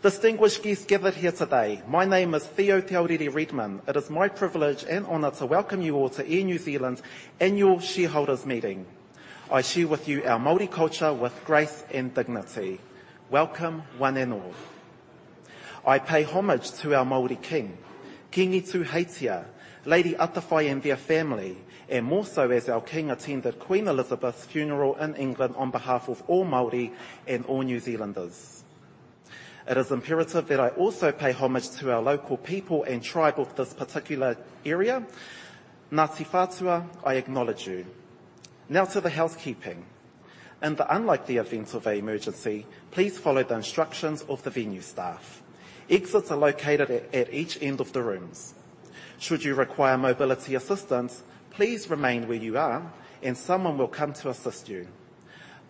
Distinguished guests gathered here today, my name is Theo Te Ariki Raukawa. It is my privilege and honor to welcome you all to Air New Zealand's annual shareholders meeting. I share with you our Māori culture with grace and dignity. Welcome, one and all. I pay homage to our Māori king, Kingi Tuheitia, Lady Atawhai and their family, and more so as our king attended Queen Elizabeth's funeral in England on behalf of all Māori and all New Zealanders. It is mperative that I also pay homage to our local people and tribe of this particular area. Ngāti Whātua, I acknowledge you. Now to the housekeeping. In the unlikely event of an emergency, please follow the instructions of the venue staff. Exits are located at each end of the rooms. Should you require mobility assistance, please remain where you are and someone will come to assist you.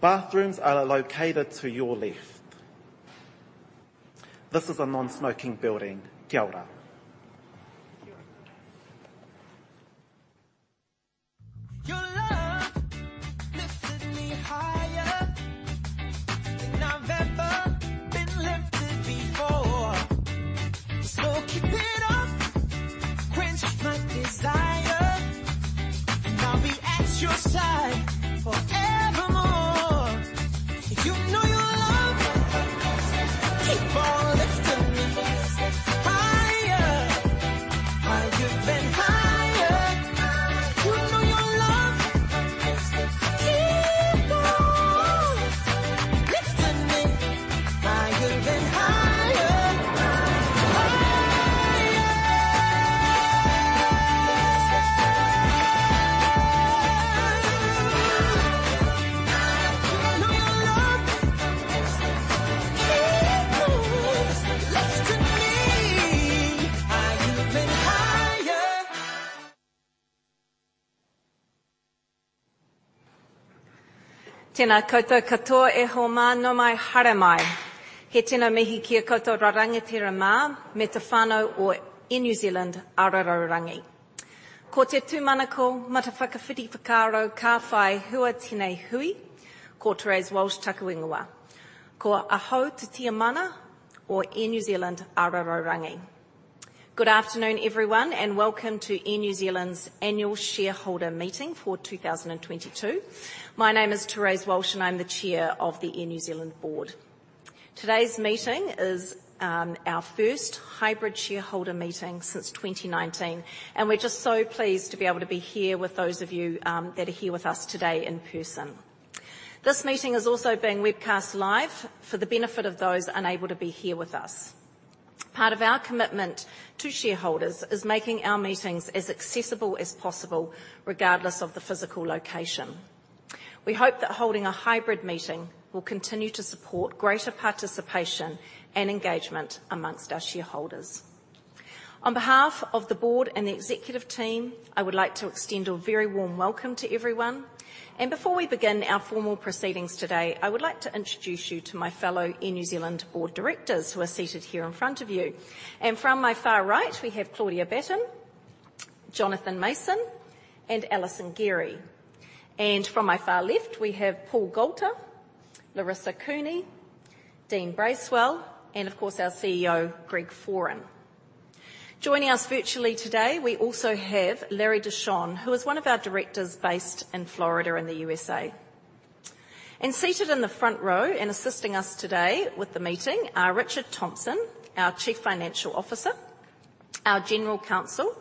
Bathrooms are located to your left. This is a non-smoking building. Kia ora. Kia ora. Your love lifted me higher Than I've ever been lifted before So keep it up, quench my desire And I'll be at your side forevermore You know your love Keep on liftin' me Higher, higher than higher You know your love Keep on liftin' me Higher than higher Higher You know your love Keep on liftin' me Higher than higher Tena koutou katoa. E hoa ma, nau mai, haere mai. He tino mihi ki a koutou rangatira ma me te whanau o Air New Zealand, aroaro rangi. Ko te tumanako ma te whakawhiti whakaaro ka whai hua tenei hui. Ko Therese Walsh taku ingoa. Ko ahau te tiamana o Air New Zealand aroaro rangi. Good afternoon, everyone, and welcome to Air New Zealand's annual shareholder meeting for 2022. My name is Therese Walsh, and I'm the chair of the Air New Zealand board. Today's meeting is our first hybrid shareholder meeting since 2019, and we're just so pleased to be able to be here with those of you that are here with us today in person. This meeting is also being webcast live for the benefit of those unable to be here with us. Part of our commitment to shareholders is making our meetings as accessible as possible, regardless of the physical location. We hope that holding a hybrid meeting will continue to support greater participation and engagement among our shareholders. On behalf of the board and the executive team, I would like to extend a very warm welcome to everyone. Before we begin our formal proceedings today, I would like to introduce you to my fellow Air New Zealand board directors who are seated here in front of you. From my far right, we have Claudia Batten, Jonathan Mason, and Alison Gerry. From my far left, we have Paul Goulter, Laurissa Cooney, Dean Bracewell, and of course our CEO, Greg Foran. Joining us virtually today, we also have Larry De Shon, who is one of our directors based in Florida in the USA. Seated in the front row and assisting us today with the meeting are Richard Thomson, our Chief Financial Officer, our general counsel,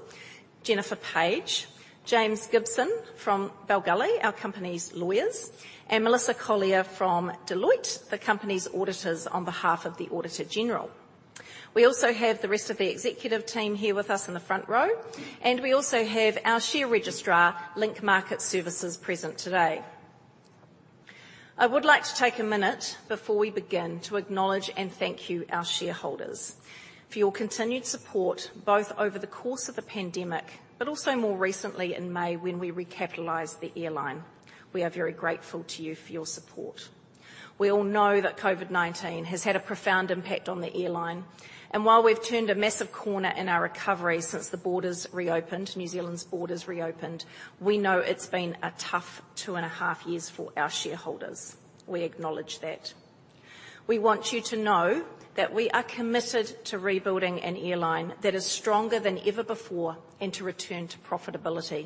Jennifer Page, James Gibson from Bell Gully, our company's lawyers, and Melissa Collier from Deloitte, the company's auditors on behalf of the Auditor-General. We also have the rest of the executive team here with us in the front row, and we also have our share registrar, Link Market Services, present today. I would like to take a minute before we begin to acknowledge and thank you, our shareholders, for your continued support, both over the course of the pandemic, but also more recently in May when we recapitalized the airline. We are very grateful to you for your support. We all know that COVID-19 has had a profound impact on the airline. While we've turned a massive corner in our recovery since the borders reopened, New Zealand's borders reopened, we know it's been a tough two and a half years for our shareholders. We acknowledge that. We want you to know that we are committed to rebuilding an airline that is stronger than ever before and to return to profitability.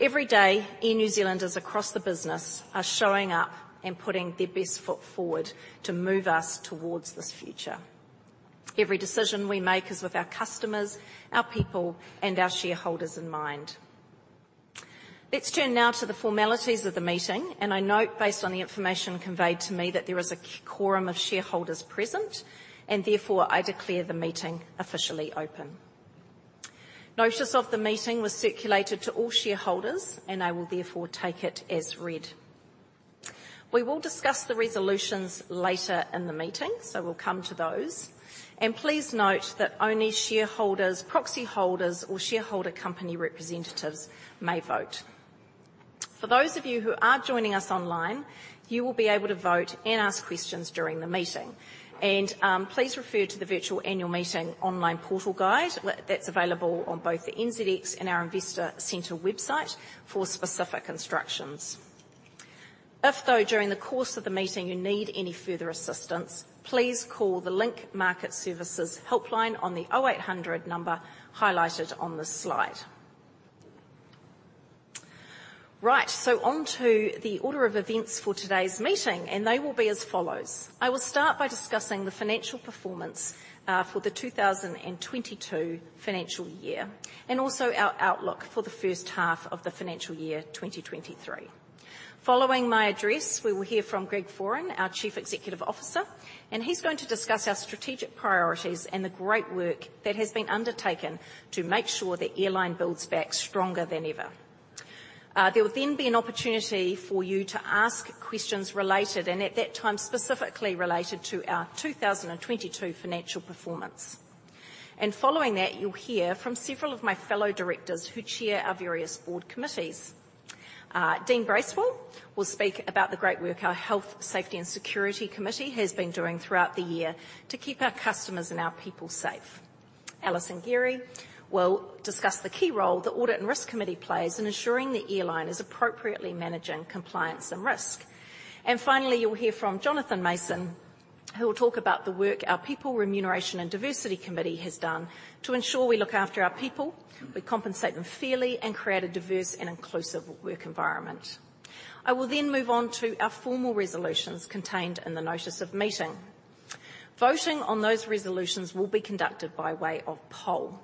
Every day, Air New Zealanders across the business are showing up and putting their best foot forward to move us towards this future. Every decision we make is with our customers, our people, and our shareholders in mind. Let's turn now to the formalities of the meeting. I note, based on the information conveyed to me, that there is a quorum of shareholders present, and therefore, I declare the meeting officially open. Notice of the meeting was circulated to all shareholders, and I will therefore take it as read. We will discuss the resolutions later in the meeting, so we'll come to those. Please note that only shareholders, proxy holders, or shareholder company representatives may vote. For those of you who are joining us online, you will be able to vote and ask questions during the meeting. Please refer to the virtual annual meeting online portal guide. That's available on both the NZX and our investor center website for specific instructions. If, though, during the course of the meeting you need any further assistance, please call the Link Market Services helpline on the 0800 number highlighted on this slide. Right, so on to the order of events for today's meeting, and they will be as follows. I will start by discussing the financial performance for the 2022 financial year, and also our outlook for the first half of the financial year 2023. Following my address, we will hear from Greg Foran, our Chief Executive Officer, and he's going to discuss our strategic priorities and the great work that has been undertaken to make sure the airline builds back stronger than ever. There will then be an opportunity for you to ask questions related, and at that time, specifically related to our 2022 financial performance. Following that, you'll hear from several of my fellow directors who chair our various board committees. Dean Bracewell will speak about the great work our Health, Safety, and Security Committee has been doing throughout the year to keep our customers and our people safe. Alison Gerry will discuss the key role the Audit and Risk Committee plays in ensuring the airline is appropriately managing compliance and risk. Finally, you'll hear from Jonathan Mason, who will talk about the work our People, Remuneration, and Diversity Committee has done to ensure we look after our people, we compensate them fairly, and create a diverse and inclusive work environment. I will then move on to our formal resolutions contained in the notice of meeting. Voting on those resolutions will be conducted by way of poll.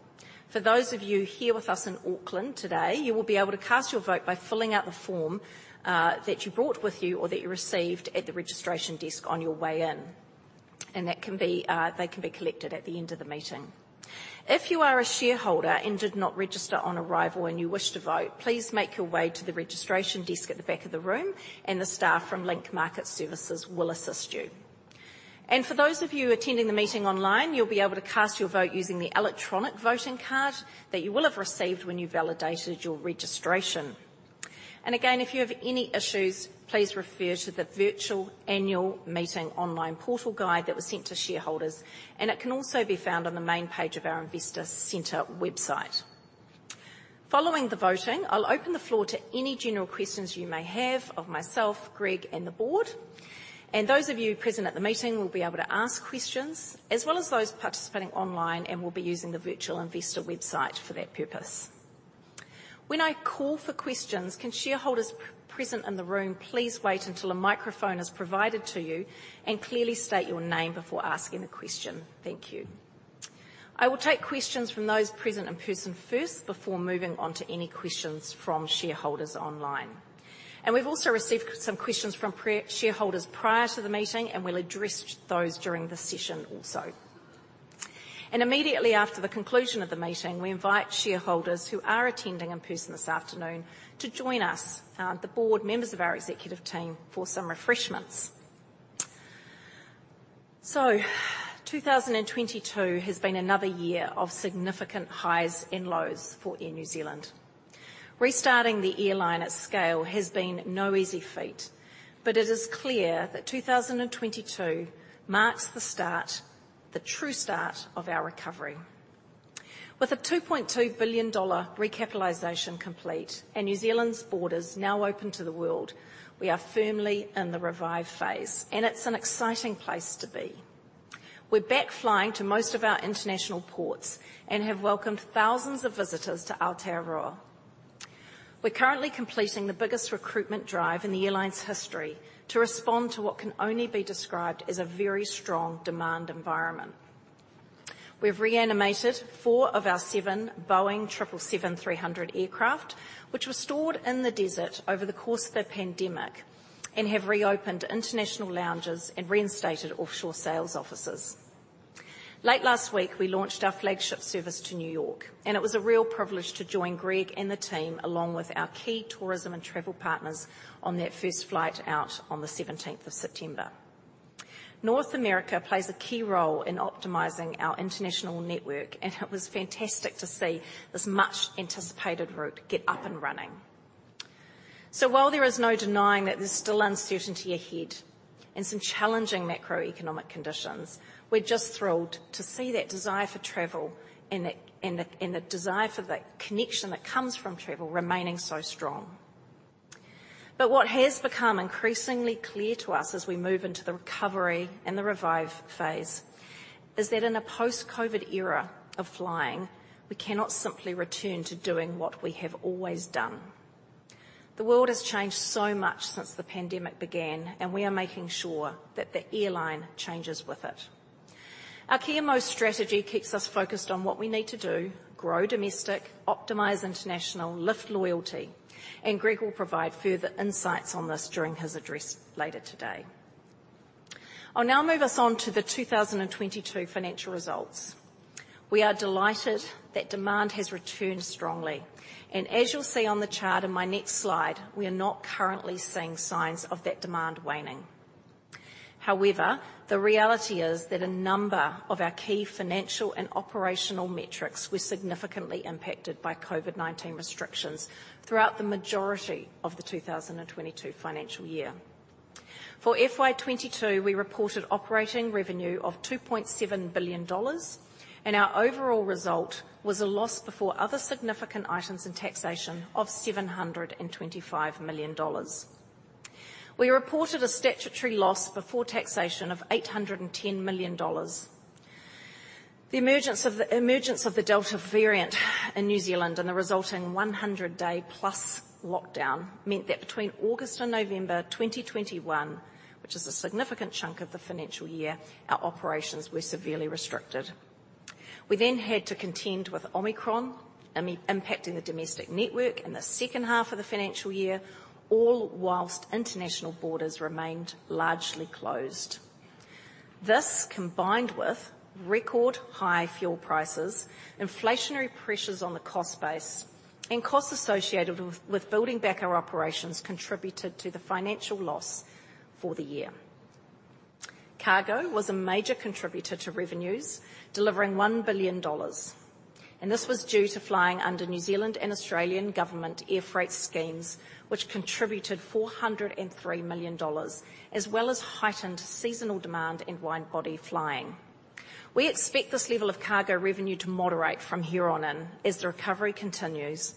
For those of you here with us in Auckland today, you will be able to cast your vote by filling out the form that you brought with you or that you received at the registration desk on your way in. That can be, they can be collected at the end of the meeting. If you are a shareholder and did not register on arrival and you wish to vote, please make your way to the registration desk at the back of the room, and the staff from Link Market Services will assist you. For those of you attending the meeting online, you'll be able to cast your vote using the electronic voting card that you will have received when you validated your registration. Again, if you have any issues, please refer to the virtual annual meeting online portal guide that was sent to shareholders, and it can also be found on the main page of our Investor Center website. Following the voting, I'll open the floor to any general questions you may have of myself, Greg, and the board. Those of you present at the meeting will be able to ask questions, as well as those participating online and will be using the virtual investor website for that purpose. When I call for questions, can shareholders present in the room please wait until a microphone is provided to you and clearly state your name before asking the question. Thank you. I will take questions from those present in person first before moving on to any questions from shareholders online. We've also received some questions from shareholders prior to the meeting, and we'll address those during the session also. Immediately after the conclusion of the meeting, we invite shareholders who are attending in person this afternoon to join us, the board, members of our executive team, for some refreshments. 2022 has been another year of significant highs and lows for Air New Zealand. Restarting the airline at scale has been no easy feat, but it is clear that 2022 marks the start, the true start of our recovery. With a 2.2 billion dollar recapitalization complete and New Zealand's borders now open to the world, we are firmly in the Revive phase, and it's an exciting place to be. We're back flying to most of our international ports and have welcomed thousands of visitors to Aotearoa. We're currently completing the biggest recruitment drive in the airline's history to respond to what can only be described as a very strong demand environment. We've reanimated four of our seven Boeing triple seven-three hundred aircraft, which were stored in the desert over the course of the pandemic, and have reopened international lounges and reinstated offshore sales offices. Late last week, we launched our flagship service to New York, and it was a real privilege to join Greg and the team, along with our key tourism and travel partners, on that first flight out on the seventeenth of September. North America plays a key role in optimizing our international network, and it was fantastic to see this much-anticipated route get up and running. While there is no denying that there's still uncertainty ahead and some challenging macroeconomic conditions, we're just thrilled to see that desire for travel and the desire for the connection that comes from travel remaining so strong. What has become increasingly clear to us as we move into the recovery and the revive phase is that in a post-COVID era of flying, we cannot simply return to doing what we have always done. The world has changed so much since the pandemic began, and we are making sure that the airline changes with it. Our Kia Mau strategy keeps us focused on what we need to do, grow domestic, optimize international, lift loyalty, and Greg will provide further insights on this during his address later today. I'll now move us on to the 2022 financial results. We are delighted that demand has returned strongly. As you'll see on the chart in my next slide, we are not currently seeing signs of that demand waning. However, the reality is that a number of our key financial and operational metrics were significantly impacted by COVID-19 restrictions throughout the majority of the 2022 financial year. For FY22, we reported operating revenue of 2.7 billion dollars, and our overall result was a loss before other significant items and taxation of 725 million dollars. We reported a statutory loss before taxation of 810 million dollars. The emergence of the Delta variant in New Zealand and the resulting 100-day-plus lockdown meant that between August and November 2021, which is a significant chunk of the financial year, our operations were severely restricted. We then had to contend with Omicron impacting the domestic network in the second half of the financial year, all while international borders remained largely closed. This, combined with record high fuel prices, inflationary pressures on the cost base, and costs associated with building back our operations, contributed to the financial loss for the year. Cargo was a major contributor to revenues, delivering 1 billion dollars, and this was due to flying under New Zealand and Australian government air freight schemes, which contributed 403 million dollars, as well as heightened seasonal demand and wide-body flying. We expect this level of cargo revenue to moderate from here on in as the recovery continues,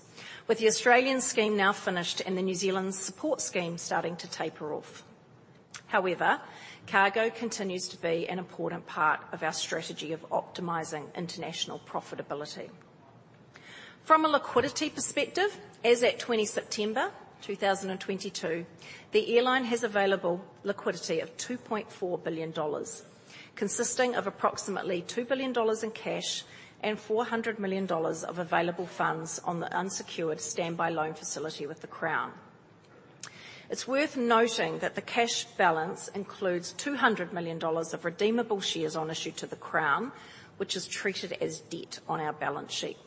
with the Australian scheme now finished and the New Zealand support scheme starting to taper off. However, cargo continues to be an important part of our strategy of optimizing international profitability. From a liquidity perspective, as at 20 September 2022, the airline has available liquidity of 2.4 billion dollars, consisting of approximately 2 billion dollars in cash and 400 million dollars of available funds on the unsecured standby loan facility with the Crown. It's worth noting that the cash balance includes 200 million dollars of redeemable shares on issue to the Crown, which is treated as debt on our balance sheet.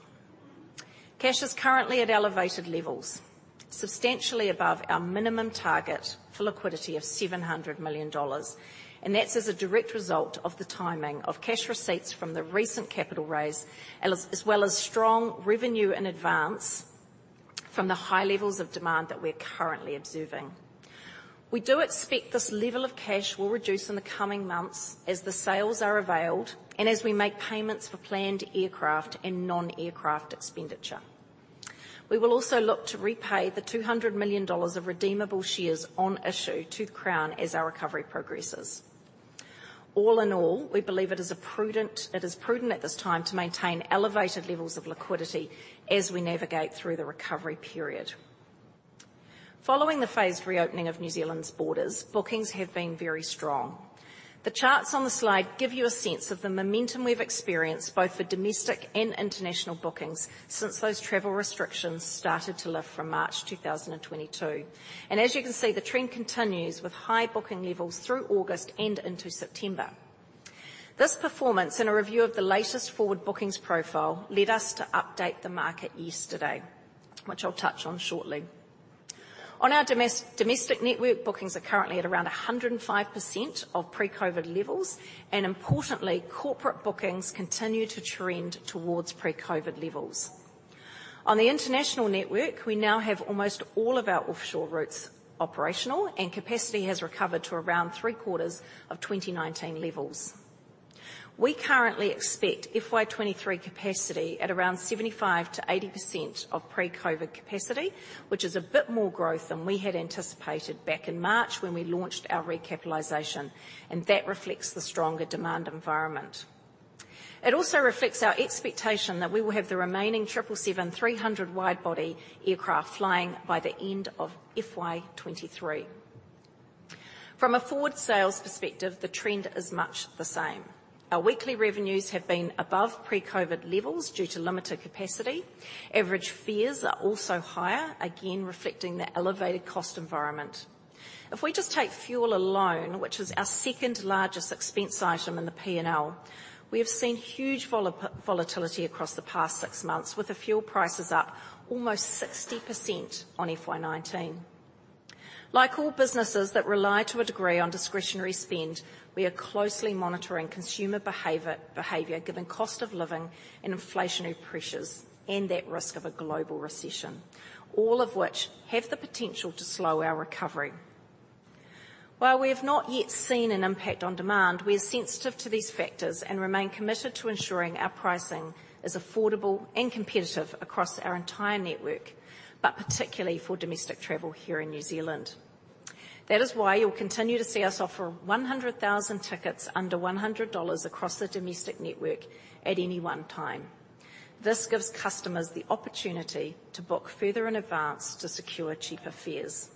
Cash is currently at elevated levels, substantially above our minimum target for liquidity of 700 million dollars, and that's as a direct result of the timing of cash receipts from the recent capital raise, as well as strong revenue in advance from the high levels of demand that we're currently observing. We do expect this level of cash will reduce in the coming months as the sales are availed and as we make payments for planned aircraft and non-aircraft expenditure. We will also look to repay the 200 million dollars of redeemable shares on issue to the Crown as our recovery progresses. All in all, we believe it is prudent at this time to maintain elevated levels of liquidity as we navigate through the recovery period. Following the phased reopening of New Zealand's borders, bookings have been very strong. The charts on the slide give you a sense of the momentum we've experienced both for domestic and international bookings since those travel restrictions started to lift from March 2022. As you can see, the trend continues with high booking levels through August and into September. This performance and a review of the latest forward bookings profile led us to update the market yesterday, which I'll touch on shortly. On our domestic network, bookings are currently at around 105% of pre-COVID levels, and importantly, corporate bookings continue to trend towards pre-COVID levels. On the international network, we now have almost all of our offshore routes operational, and capacity has recovered to around three-quarters of 2019 levels. We currently expect FY23 capacity at around 75%-80% of pre-COVID capacity, which is a bit more growth than we had anticipated back in March when we launched our recapitalization, and that reflects the stronger demand environment. It also reflects our expectation that we will have the remaining triple seven three hundred wide-body aircraft flying by the end of FY23. From a forward sales perspective, the trend is much the same. Our weekly revenues have been above pre-COVID levels due to limited capacity. Average fares are also higher, again reflecting the elevated cost environment. If we just take fuel alone, which is our second-largest expense item in the P&L, we have seen huge volatility across the past six months, with the fuel prices up almost 60% on FY19. Like all businesses that rely to a degree on discretionary spend, we are closely monitoring consumer behavior, given cost of living and inflationary pressures and that risk of a global recession, all of which have the potential to slow our recovery. While we have not yet seen an impact on demand, we are sensitive to these factors and remain committed to ensuring our pricing is affordable and competitive across our entire network, but particularly for domestic travel here in New Zealand. That is why you'll continue to see us offer 100,000 tickets under 100 dollars across the domestic network at any one time. This gives customers the opportunity to book further in advance to secure cheaper fares.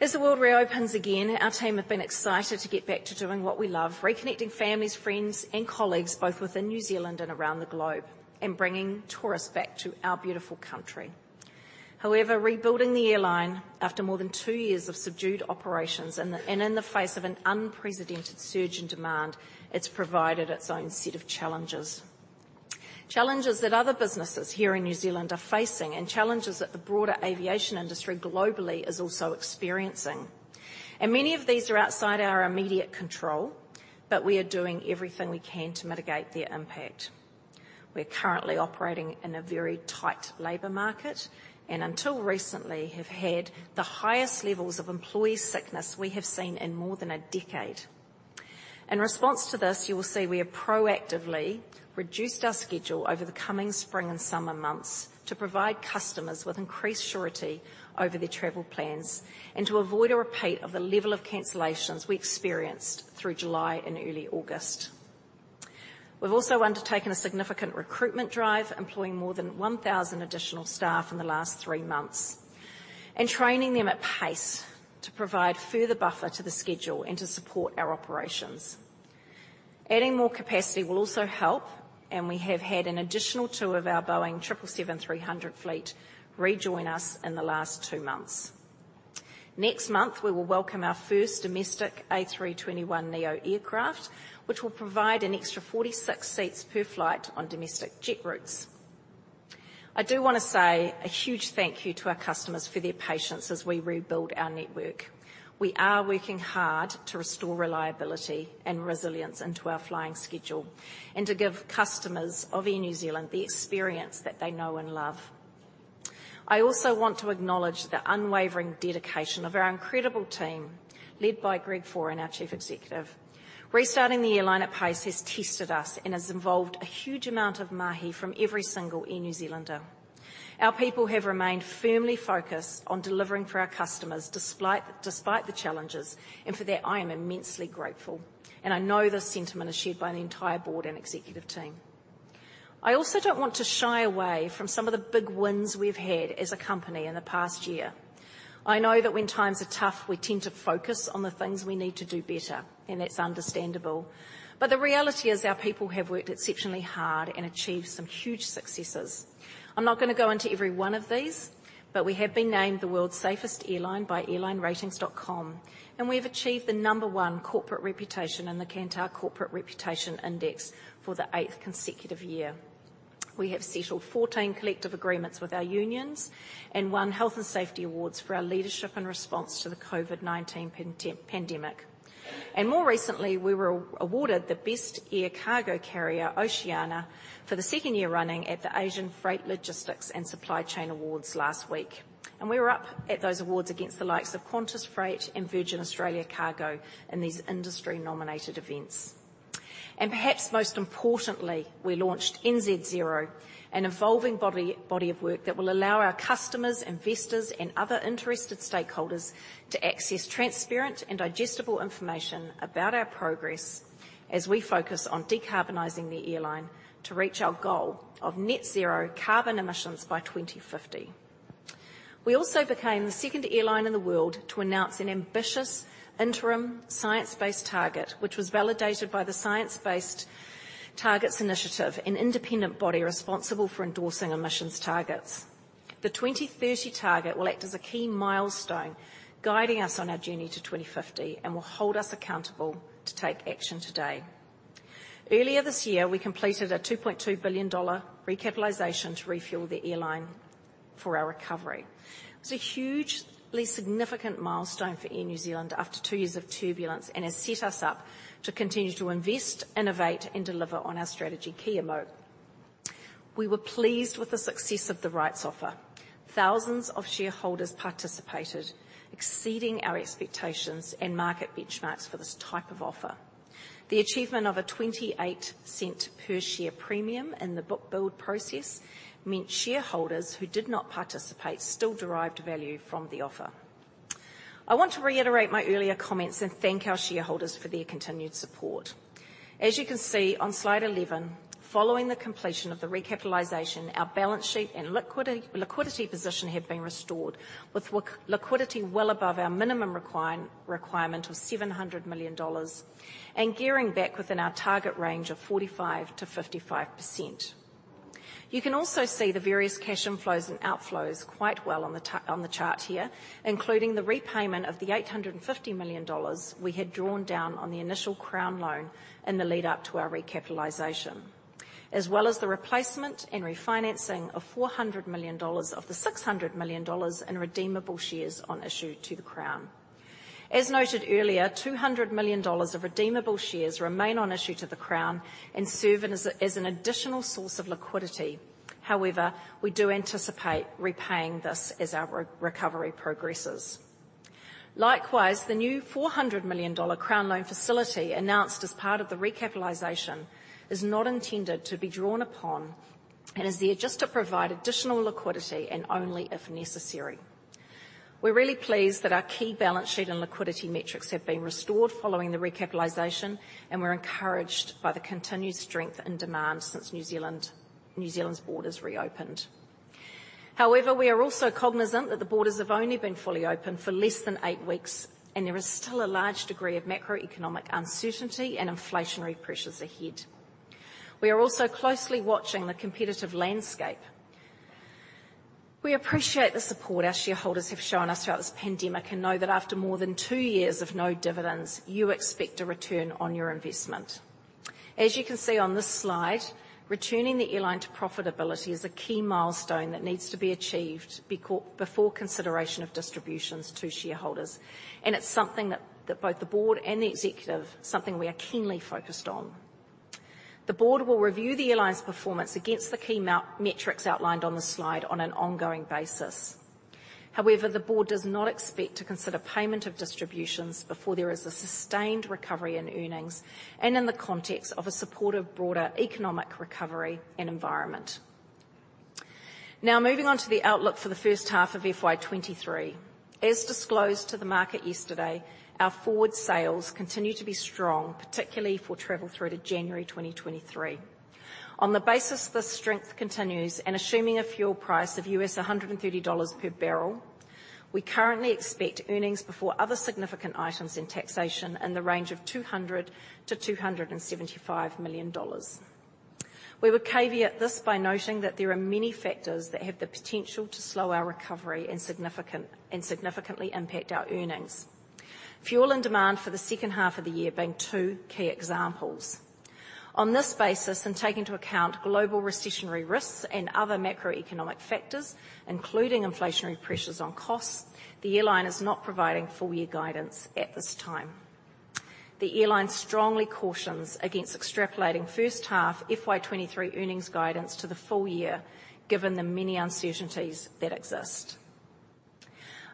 As the world reopens again, our team have been excited to get back to doing what we love, reconnecting families, friends, and colleagues, both within New Zealand and around the globe, and bringing tourists back to our beautiful country. However, rebuilding the airline after more than two years of subdued operations and in the face of an unprecedented surge in demand, it's provided its own set of challenges. Challenges that other businesses here in New Zealand are facing and challenges that the broader aviation industry globally is also experiencing. Many of these are outside our immediate control, but we are doing everything we can to mitigate their impact. We're currently operating in a very tight labor market, and until recently have had the highest levels of employee sickness we have seen in more than a decade. In response to this, you will see we have proactively reduced our schedule over the coming spring and summer months to provide customers with increased surety over their travel plans and to avoid a repeat of the level of cancellations we experienced through July and early August. We've also undertaken a significant recruitment drive, employing more than 1,000 additional staff in the last three months, and training them at pace to provide further buffer to the schedule and to support our operations. Adding more capacity will also help, and we have had an additional two of our Boeing 777-300 fleet rejoin us in the last two months. Next month, we will welcome our first domestic A321neo aircraft, which will provide an extra 46 seats per flight on domestic jet routes. I do wanna say a huge thank you to our customers for their patience as we rebuild our network. We are working hard to restore reliability and resilience into our flying schedule and to give customers of Air New Zealand the experience that they know and love. I also want to acknowledge the unwavering dedication of our incredible team, led by Greg Foran, our Chief Executive. Restarting the airline at pace has tested us and has involved a huge amount of mahi from every single Air New Zealander. Our people have remained firmly focused on delivering for our customers despite the challenges, and for that, I am immensely grateful, and I know this sentiment is shared by the entire board and executive team. I also don't want to shy away from some of the big wins we've had as a company in the past year. I know that when times are tough, we tend to focus on the things we need to do better, and that's understandable. The reality is our people have worked exceptionally hard and achieved some huge successes. I'm not gonna go into every one of these, but we have been named the world's safest airline by AirlineRatings.com, and we have achieved the number one corporate reputation in the Kantar Corporate Reputation Index for the eighth consecutive year. We have settled 14 collective agreements with our unions and won health and safety awards for our leadership and response to the COVID-19 pandemic. More recently, we were awarded the Best Air Cargo Carrier Oceania for the second year running at the Asian Freight, Logistics and Supply Chain Awards last week. We were up at those awards against the likes of Qantas Freight and Virgin Australia Cargo in these industry-nominated events. Perhaps most importantly, we launched NZ0, an evolving body of work that will allow our customers, investors, and other interested stakeholders to access transparent and digestible information about our progress as we focus on decarbonizing the airline to reach our goal of net zero carbon emissions by 2050. We also became the second airline in the world to announce an ambitious interim science-based target, which was validated by the Science Based Targets initiative, an independent body responsible for endorsing emissions targets. The 2030 target will act as a key milestone guiding us on our journey to 2050 and will hold us accountable to take action today. Earlier this year, we completed a 2.2 billion dollar recapitalization to refuel the airline for our recovery. It was a hugely significant milestone for Air New Zealand after two years of turbulence and has set us up to continue to invest, innovate, and deliver on our strategy Kia Mau. We were pleased with the success of the rights offer. Thousands of shareholders participated, exceeding our expectations and market benchmarks for this type of offer. The achievement of a 28-cent per share premium in the bookbuild process meant shareholders who did not participate still derived value from the offer. I want to reiterate my earlier comments and thank our shareholders for their continued support. As you can see on slide 11, following the completion of the recapitalization, our balance sheet and liquidity position have been restored with liquidity well above our minimum requirement of 700 million dollars and gearing back within our target range of 45%-55%. You can also see the various cash inflows and outflows quite well on the chart here, including the repayment of the 850 million dollars we had drawn down on the initial Crown Loan in the lead up to our recapitalization, as well as the replacement and refinancing of 400 million dollars of the 600 million dollars in redeemable shares on issue to the Crown. As noted earlier, 200 million dollars of redeemable shares remain on issue to the Crown and serve as an additional source of liquidity. However, we do anticipate repaying this as our recovery progresses. Likewise, the new 400 million dollar Crown Loan facility announced as part of the recapitalization is not intended to be drawn upon and is there just to provide additional liquidity and only if necessary. We're really pleased that our key balance sheet and liquidity metrics have been restored following the recapitalization, and we're encouraged by the continued strength and demand since New Zealand's borders reopened. However, we are also cognizant that the borders have only been fully open for less than eight weeks, and there is still a large degree of macroeconomic uncertainty and inflationary pressures ahead. We are also closely watching the competitive landscape. We appreciate the support our shareholders have shown us throughout this pandemic and know that after more than two years of no dividends, you expect a return on your investment. As you can see on this slide, returning the airline to profitability is a key milestone that needs to be achieved before consideration of distributions to shareholders. It's something that both the board and the executive, something we are keenly focused on. The board will review the airline's performance against the key metrics outlined on the slide on an ongoing basis. However, the board does not expect to consider payment of distributions before there is a sustained recovery in earnings and in the context of a supportive, broader economic recovery and environment. Now, moving on to the outlook for the first half of FY23. As disclosed to the market yesterday, our forward sales continue to be strong, particularly for travel through to January 2023. On the basis that this strength continues, and assuming a fuel price of $130 per barrel, we currently expect earnings before other significant items in taxation in the range of NZ$200-NZ$275 million. We would caveat this by noting that there are many factors that have the potential to slow our recovery and significantly impact our earnings. Fuel and demand for the second half of the year being two key examples. On this basis, and taking into account global recessionary risks and other macroeconomic factors, including inflationary pressures on costs, the airline is not providing full year guidance at this time. The airline strongly cautions against extrapolating first half FY23 earnings guidance to the full year given the many uncertainties that exist.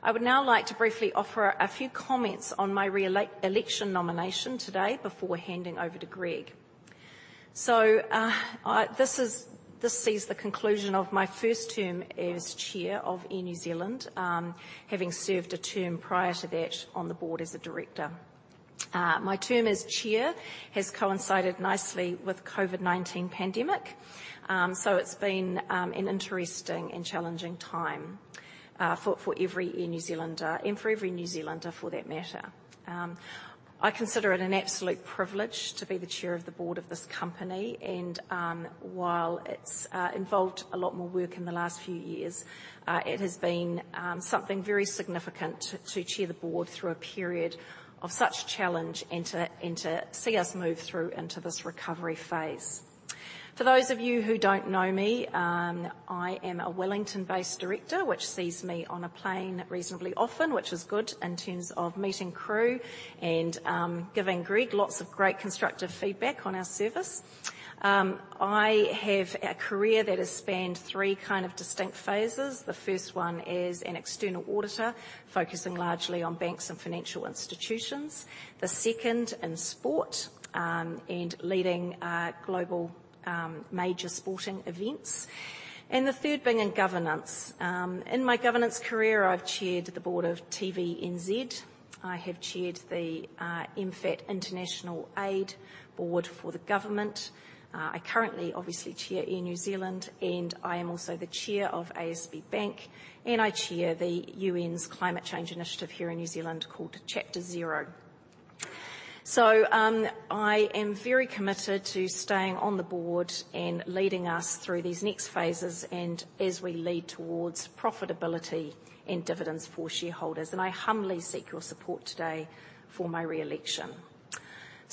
I would now like to briefly offer a few comments on my re-election nomination today before handing over to Greg. This sees the conclusion of my first term as Chair of Air New Zealand, having served a term prior to that on the board as a director. My term as chair has coincided nicely with COVID-19 pandemic, so it's been an interesting and challenging time for every Air New Zealander and for every New Zealander for that matter. I consider it an absolute privilege to be the chair of the board of this company, and while it's involved a lot more work in the last few years, it has been something very significant to chair the board through a period of such challenge and to see us move through into this recovery phase. For those of you who don't know me, I am a Wellington-based director, which sees me on a plane reasonably often, which is good in terms of meeting crew and giving Greg lots of great constructive feedback on our service. I have a career that has spanned three kind of distinct phases. The first one as an external auditor, focusing largely on banks and financial institutions. The second, in sport, and leading global major sporting events. The third being in governance. In my governance career, I've chaired the board of TVNZ. I have chaired the MFAT International Aid Board for the government. I currently obviously chair Air New Zealand, and I am also the chair of ASB Bank, and I chair the UN's climate change initiative here in New Zealand called Chapter Zero. I am very committed to staying on the board and leading us through these next phases and as we lead towards profitability and dividends for shareholders, and I humbly seek your support today for my re-election.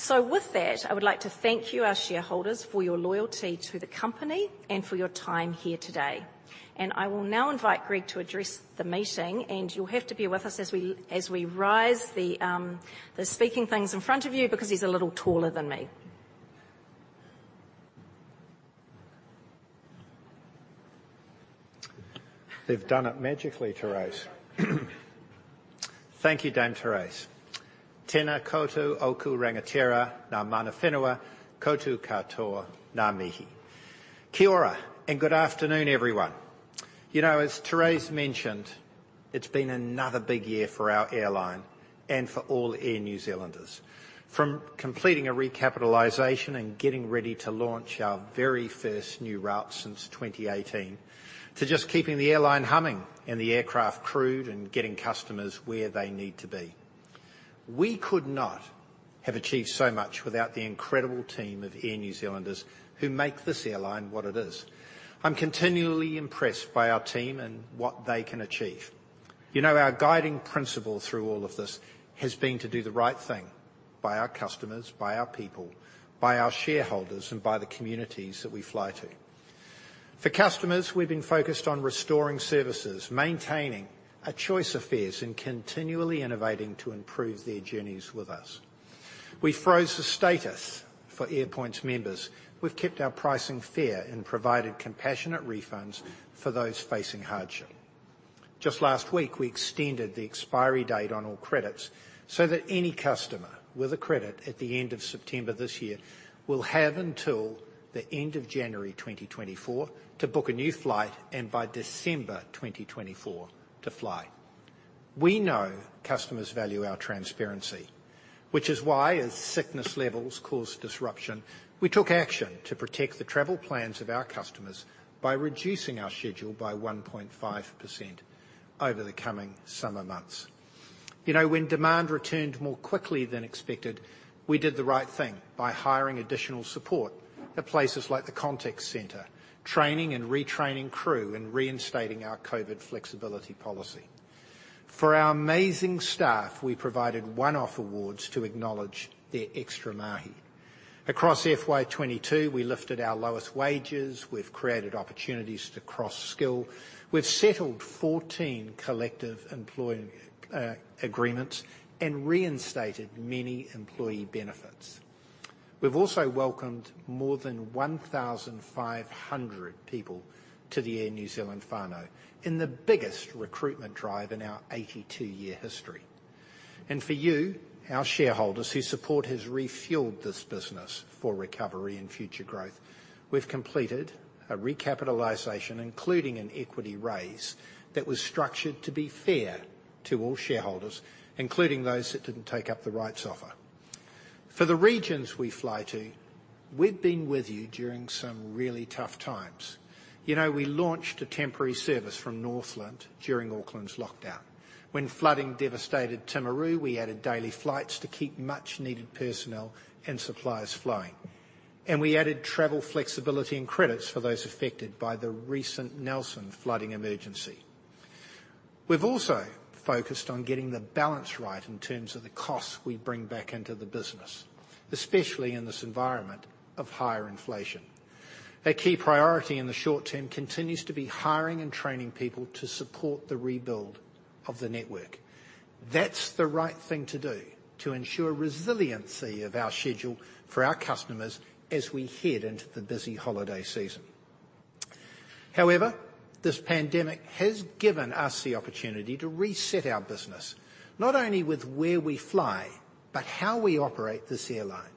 With that, I would like to thank you, our shareholders, for your loyalty to the company and for your time here today. I will now invite Greg to address the meeting, and you'll have to bear with us as we raise the speaking things in front of you because he's a little taller than me. They've done it magically, Therese. Thank you, Dame Therese. Tena koutou, oku rangatira, nga mana whenua, koutou katoa, nga mihi. Kia ora, and good afternoon, everyone. You know, as Therese mentioned, it's been another big year for our airline and for all Air New Zealanders. From completing a recapitalization and getting ready to launch our very first new route since 2018, to just keeping the airline humming and the aircraft crewed and getting customers where they need to be. We could not have achieved so much without the incredible team of Air New Zealanders who make this airline what it is. I'm continually impressed by our team and what they can achieve. You know, our guiding principle through all of this has been to do the right thing by our customers, by our people, by our shareholders, and by the communities that we fly to. For customers, we've been focused on restoring services, maintaining a choice of fares, and continually innovating to improve their journeys with us. We froze the status for Airpoints members. We've kept our pricing fair and provided compassionate refunds for those facing hardship. Just last week, we extended the expiry date on all credits so that any customer with a credit at the end of September this year will have until the end of January 2024 to book a new flight, and by December 2024 to fly. We know customers value our transparency, which is why as sickness levels caused disruption, we took action to protect the travel plans of our customers by reducing our schedule by 1.5% over the coming summer months. You know, when demand returned more quickly than expected, we did the right thing by hiring additional support at places like the contact center, training and retraining crew, and reinstating our COVID flexibility policy. For our amazing staff, we provided one-off awards to acknowledge their extra mahi. Across FY22, we lifted our lowest wages. We've created opportunities to cross-skill. We've settled 14 collective employee agreements and reinstated many employee benefits. We've also welcomed more than 1,500 people to the Air New Zealand whānau in the biggest recruitment drive in our 82-year history. For you, our shareholders, whose support has refueled this business for recovery and future growth, we've completed a recapitalization, including an equity raise that was structured to be fair to all shareholders, including those that didn't take up the rights offer. For the regions we fly to, we've been with you during some really tough times. You know, we launched a temporary service from Northland during Auckland's lockdown. When flooding devastated Timaru, we added daily flights to keep much-needed personnel and supplies flowing. We added travel flexibility and credits for those affected by the recent Nelson flooding emergency. We've also focused on getting the balance right in terms of the costs we bring back into the business, especially in this environment of higher inflation. A key priority in the short term continues to be hiring and training people to support the rebuild of the network. That's the right thing to do to ensure resiliency of our schedule for our customers as we head into the busy holiday season. Flexipay However, this pandemic has given us the opportunity to reset our business, not only with where we fly, but how we operate this airline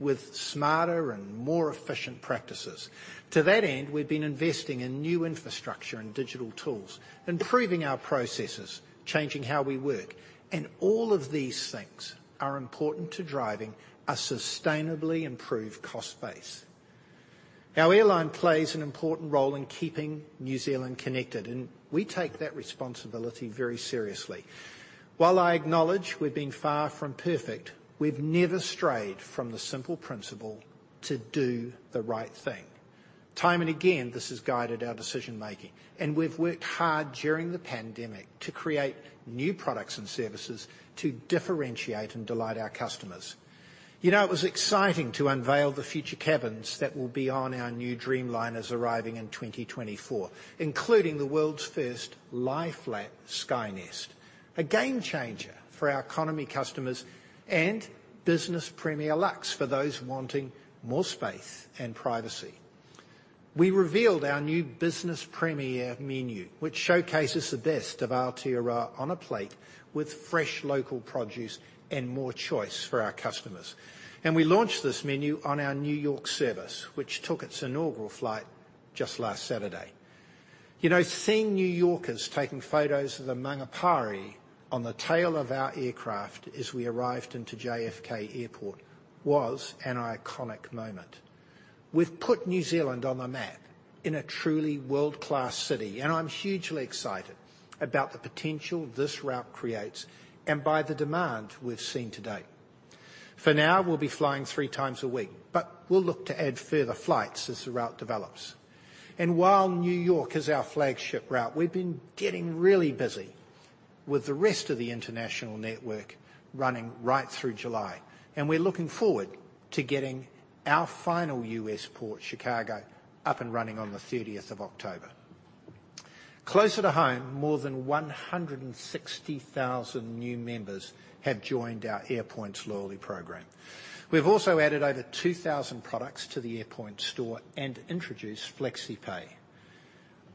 with smarter and more efficient practices. To that end, we've been investing in new infrastructure and digital tools, improving our processes, changing how we work, and all of these things are important to driving a sustainably improved cost base. Our airline plays an important role in keeping New Zealand connected, and we take that responsibility very seriously. While I acknowledge we've been far from perfect, we've never strayed from the simple principle to do the right thing. Time and again, this has guided our decision-making, and we've worked hard during the pandemic to create new products and services to differentiate and delight our customers. Flexipay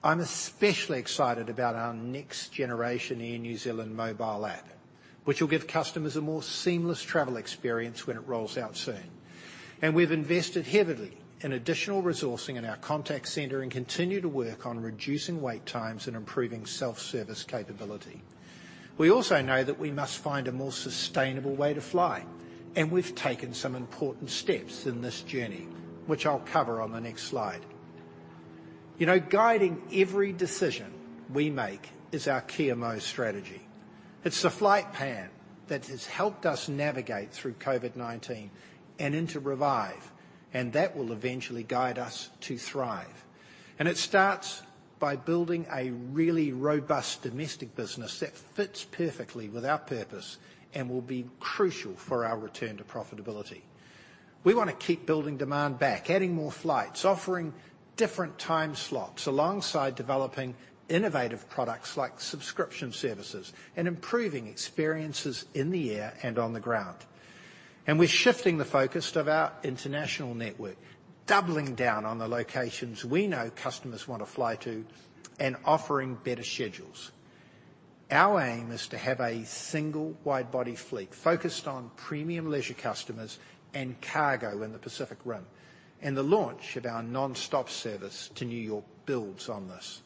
We also know that we must find a more sustainable way to fly, and we've taken some important steps in this journey, which I'll cover on the next slide. You know, guiding every decision we make is our Kia Mau strategy. It's the flight plan that has helped us navigate through COVID-19 and into Revive, and that will eventually guide us to Thrive. It starts by building a really robust domestic business that fits perfectly with our purpose and will be crucial for our return to profitability. We wanna keep building demand back, adding more flights, offering different time slots alongside developing innovative products like subscription services and improving experiences in the air and on the ground. We're shifting the focus of our international network, doubling down on the locations we know customers want to fly to and offering better schedules. Our aim is to have a single wide-body fleet focused on premium leisure customers and cargo in the Pacific Rim. The launch of our non-stop service to New York builds on this.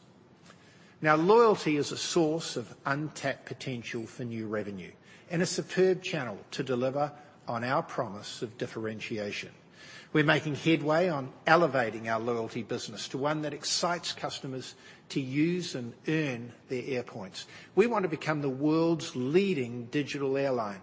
Now, loyalty is a source of untapped potential for new revenue and a superb channel to deliver on our promise of differentiation. We're making headway on elevating our loyalty business to one that excites customers to use and earn their Airpoints. We want to become the world's leading digital airline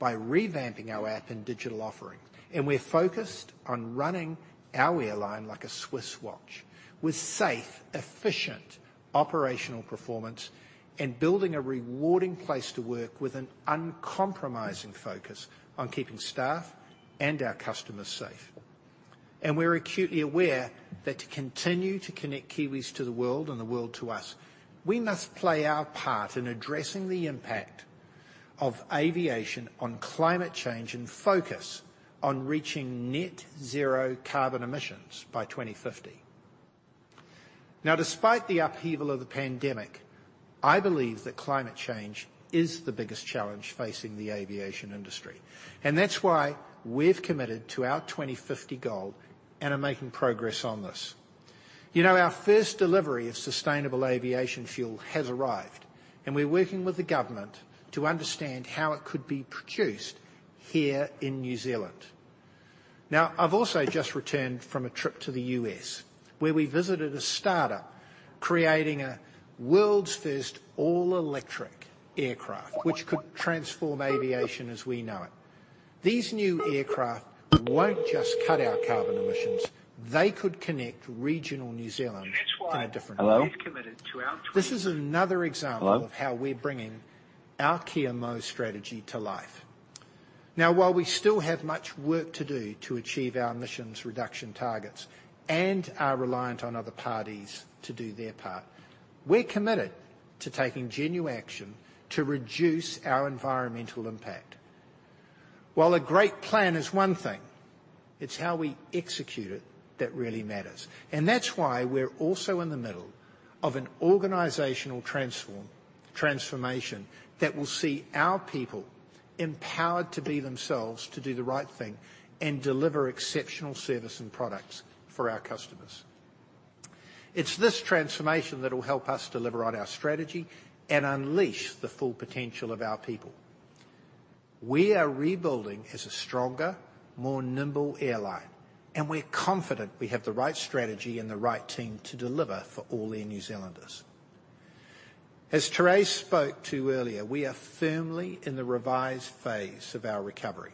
by revamping our app and digital offering, and we're focused on running our airline like a Swiss watch with safe, efficient operational performance and building a rewarding place to work with an uncompromising focus on keeping staff and our customers safe. We're acutely aware that to continue to connect Kiwis to the world and the world to us, we must play our part in addressing the impact of aviation on climate change and focus on reaching net zero carbon emissions by 2050. Now, despite the upheaval of the pandemic, I believe that climate change is the biggest challenge facing the aviation industry, and that's why we've committed to our 2050 goal and are making progress on this. You know, our first delivery of sustainable aviation fuel has arrived, and we're working with the government to understand how it could be produced here in New Zealand. Now, I've also just returned from a trip to the U.S., where we visited a startup creating a world's first all-electric aircraft, which could transform aviation as we know it. These new aircraft won't just cut our carbon emissions, they could connect regional New Zealand in a different way. Hello? This is another example. Hello? of how we're bringing our Kia Mau strategy to life. Now, while we still have much work to do to achieve our emissions reduction targets and are reliant on other parties to do their part, we're committed to taking genuine action to reduce our environmental impact. While a great plan is one thing, it's how we execute it that really matters, and that's why we're also in the middle of an organizational transformation that will see our people empowered to be themselves, to do the right thing, and deliver exceptional service and products for our customers. It's this transformation that will help us deliver on our strategy and unleash the full potential of our people. We are rebuilding as a stronger, more nimble airline, and we're confident we have the right strategy and the right team to deliver for all Air New Zealanders. As Therese spoke to earlier, we are firmly in the Revive phase of our recovery,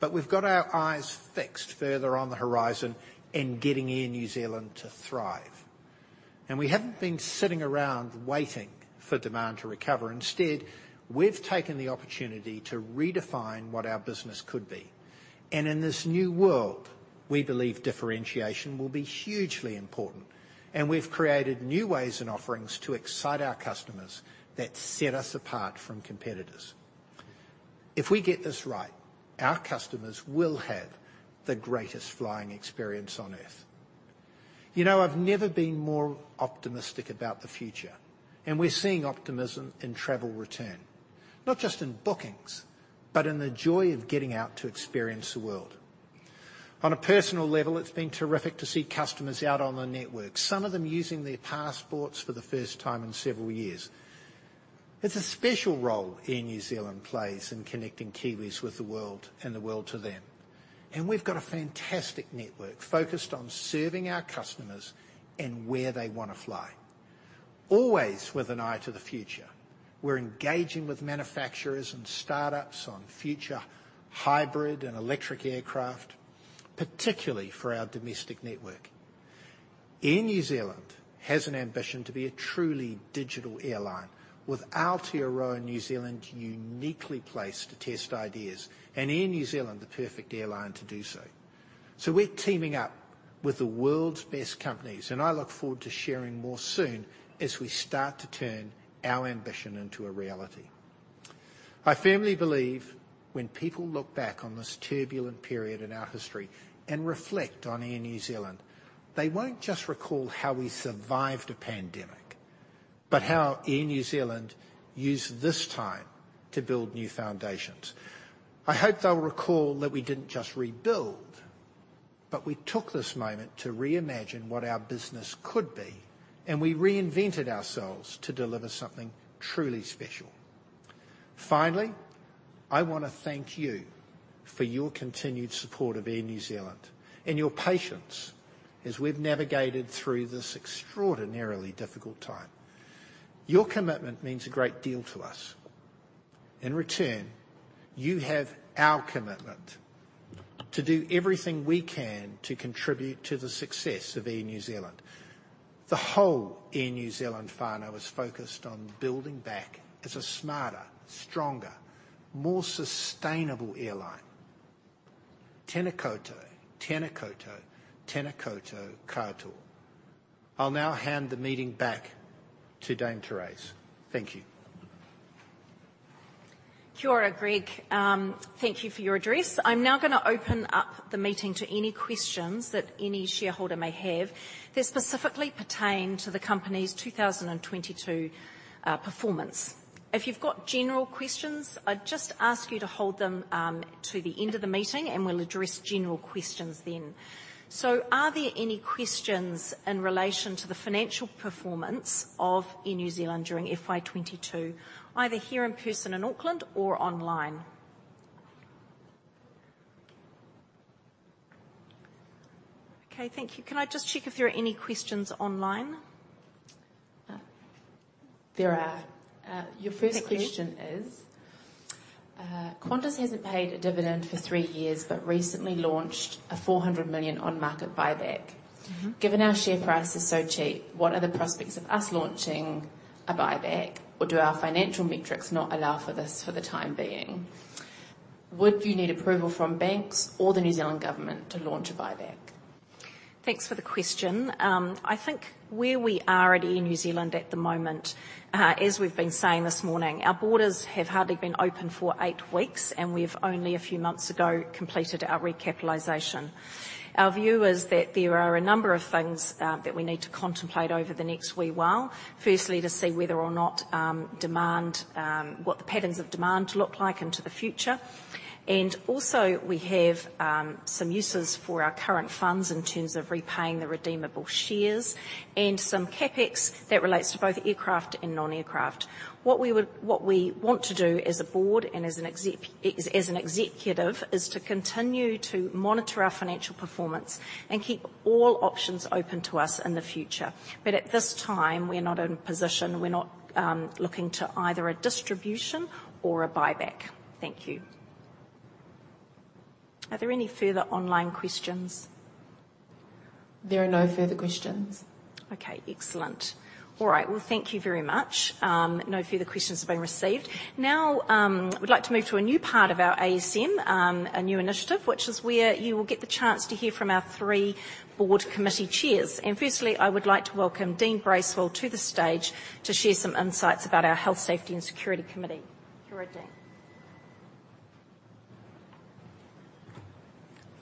but we've got our eyes fixed further on the horizon in getting Air New Zealand to Thrive. We haven't been sitting around waiting for demand to recover. Instead, we've taken the opportunity to redefine what our business could be. In this new world, we believe differentiation will be hugely important, and we've created new ways and offerings to excite our customers that set us apart from competitors. If we get this right, our customers will have the greatest flying experience on Earth. You know, I've never been more optimistic about the future, and we're seeing optimism in travel return, not just in bookings, but in the joy of getting out to experience the world. On a personal level, it's been terrific to see customers out on the network, some of them using their passports for the first time in several years. It's a special role Air New Zealand plays in connecting Kiwis with the world and the world to them. We've got a fantastic network focused on serving our customers and where they want to fly. Always with an eye to the future, we're engaging with manufacturers and startups on future hybrid and electric aircraft, particularly for our domestic network. Air New Zealand has an ambition to be a truly digital airline with Aotearoa New Zealand uniquely placed to test ideas, and Air New Zealand the perfect airline to do so. We're teaming up with the world's best companies, and I look forward to sharing more soon as we start to turn our ambition into a reality. I firmly believe when people look back on this turbulent period in our history and reflect on Air New Zealand, they won't just recall how we survived a pandemic, but how Air New Zealand used this time to build new foundations. I hope they'll recall that we didn't just rebuild, but we took this moment to reimagine what our business could be, and we reinvented ourselves to deliver something truly special. Finally, I want to thank you for your continued support of Air New Zealand and your patience as we've navigated through this extraordinarily difficult time. Your commitment means a great deal to us. In return, you have our commitment to do everything we can to contribute to the success of Air New Zealand. The whole Air New Zealand whānau is focused on building back as a smarter, stronger, more sustainable airline. Tena koutou, tena koutou, tena koutou katoa. I'll now hand the meeting back to Dame Therese. Thank you. Kia ora, Greg. Thank you for your address. I'm now gonna open up the meeting to any questions that any shareholder may have that specifically pertain to the company's 2022 performance. If you've got general questions, I'd just ask you to hold them to the end of the meeting, and we'll address general questions then. Are there any questions in relation to the financial performance of Air New Zealand during FY22, either here in person in Auckland or online? Okay, thank you. Can I just check if there are any questions online? Uh. There are. Thank you. Your first question is, "Qantas hasn't paid a dividend for 3 years, but recently launched a $400 million on-market buyback. Given our share price is so cheap, what are the prospects of us launching a buyback, or do our financial metrics not allow for this for the time being? Would you need approval from banks or the New Zealand government to launch a buyback? Thanks for the question. I think where we are at Air New Zealand at the moment, as we've been saying this morning, our borders have hardly been open for eight weeks, and we've only a few months ago completed our recapitalization. Our view is that there are a number of things that we need to contemplate over the next wee while. Firstly, to see whether or not demand. What the patterns of demand look like into the future. We also have some uses for our current funds in terms of repaying the redeemable shares and some CapEx that relates to both aircraft and non-aircraft. What we want to do as a board and as an executive is to continue to monitor our financial performance and keep all options open to us in the future. At this time, we're not in a position looking to either a distribution or a buyback. Thank you. Are there any further online questions? There are no further questions. Okay, excellent. All right, well, thank you very much. No further questions have been received. Now, we'd like to move to a new part of our AGM, a new initiative, which is where you will get the chance to hear from our three board committee chairs. Firstly, I would like to welcome Dean Bracewell to the stage to share some insights about our Health, Safety and Security Committee. Kia ora, Dean.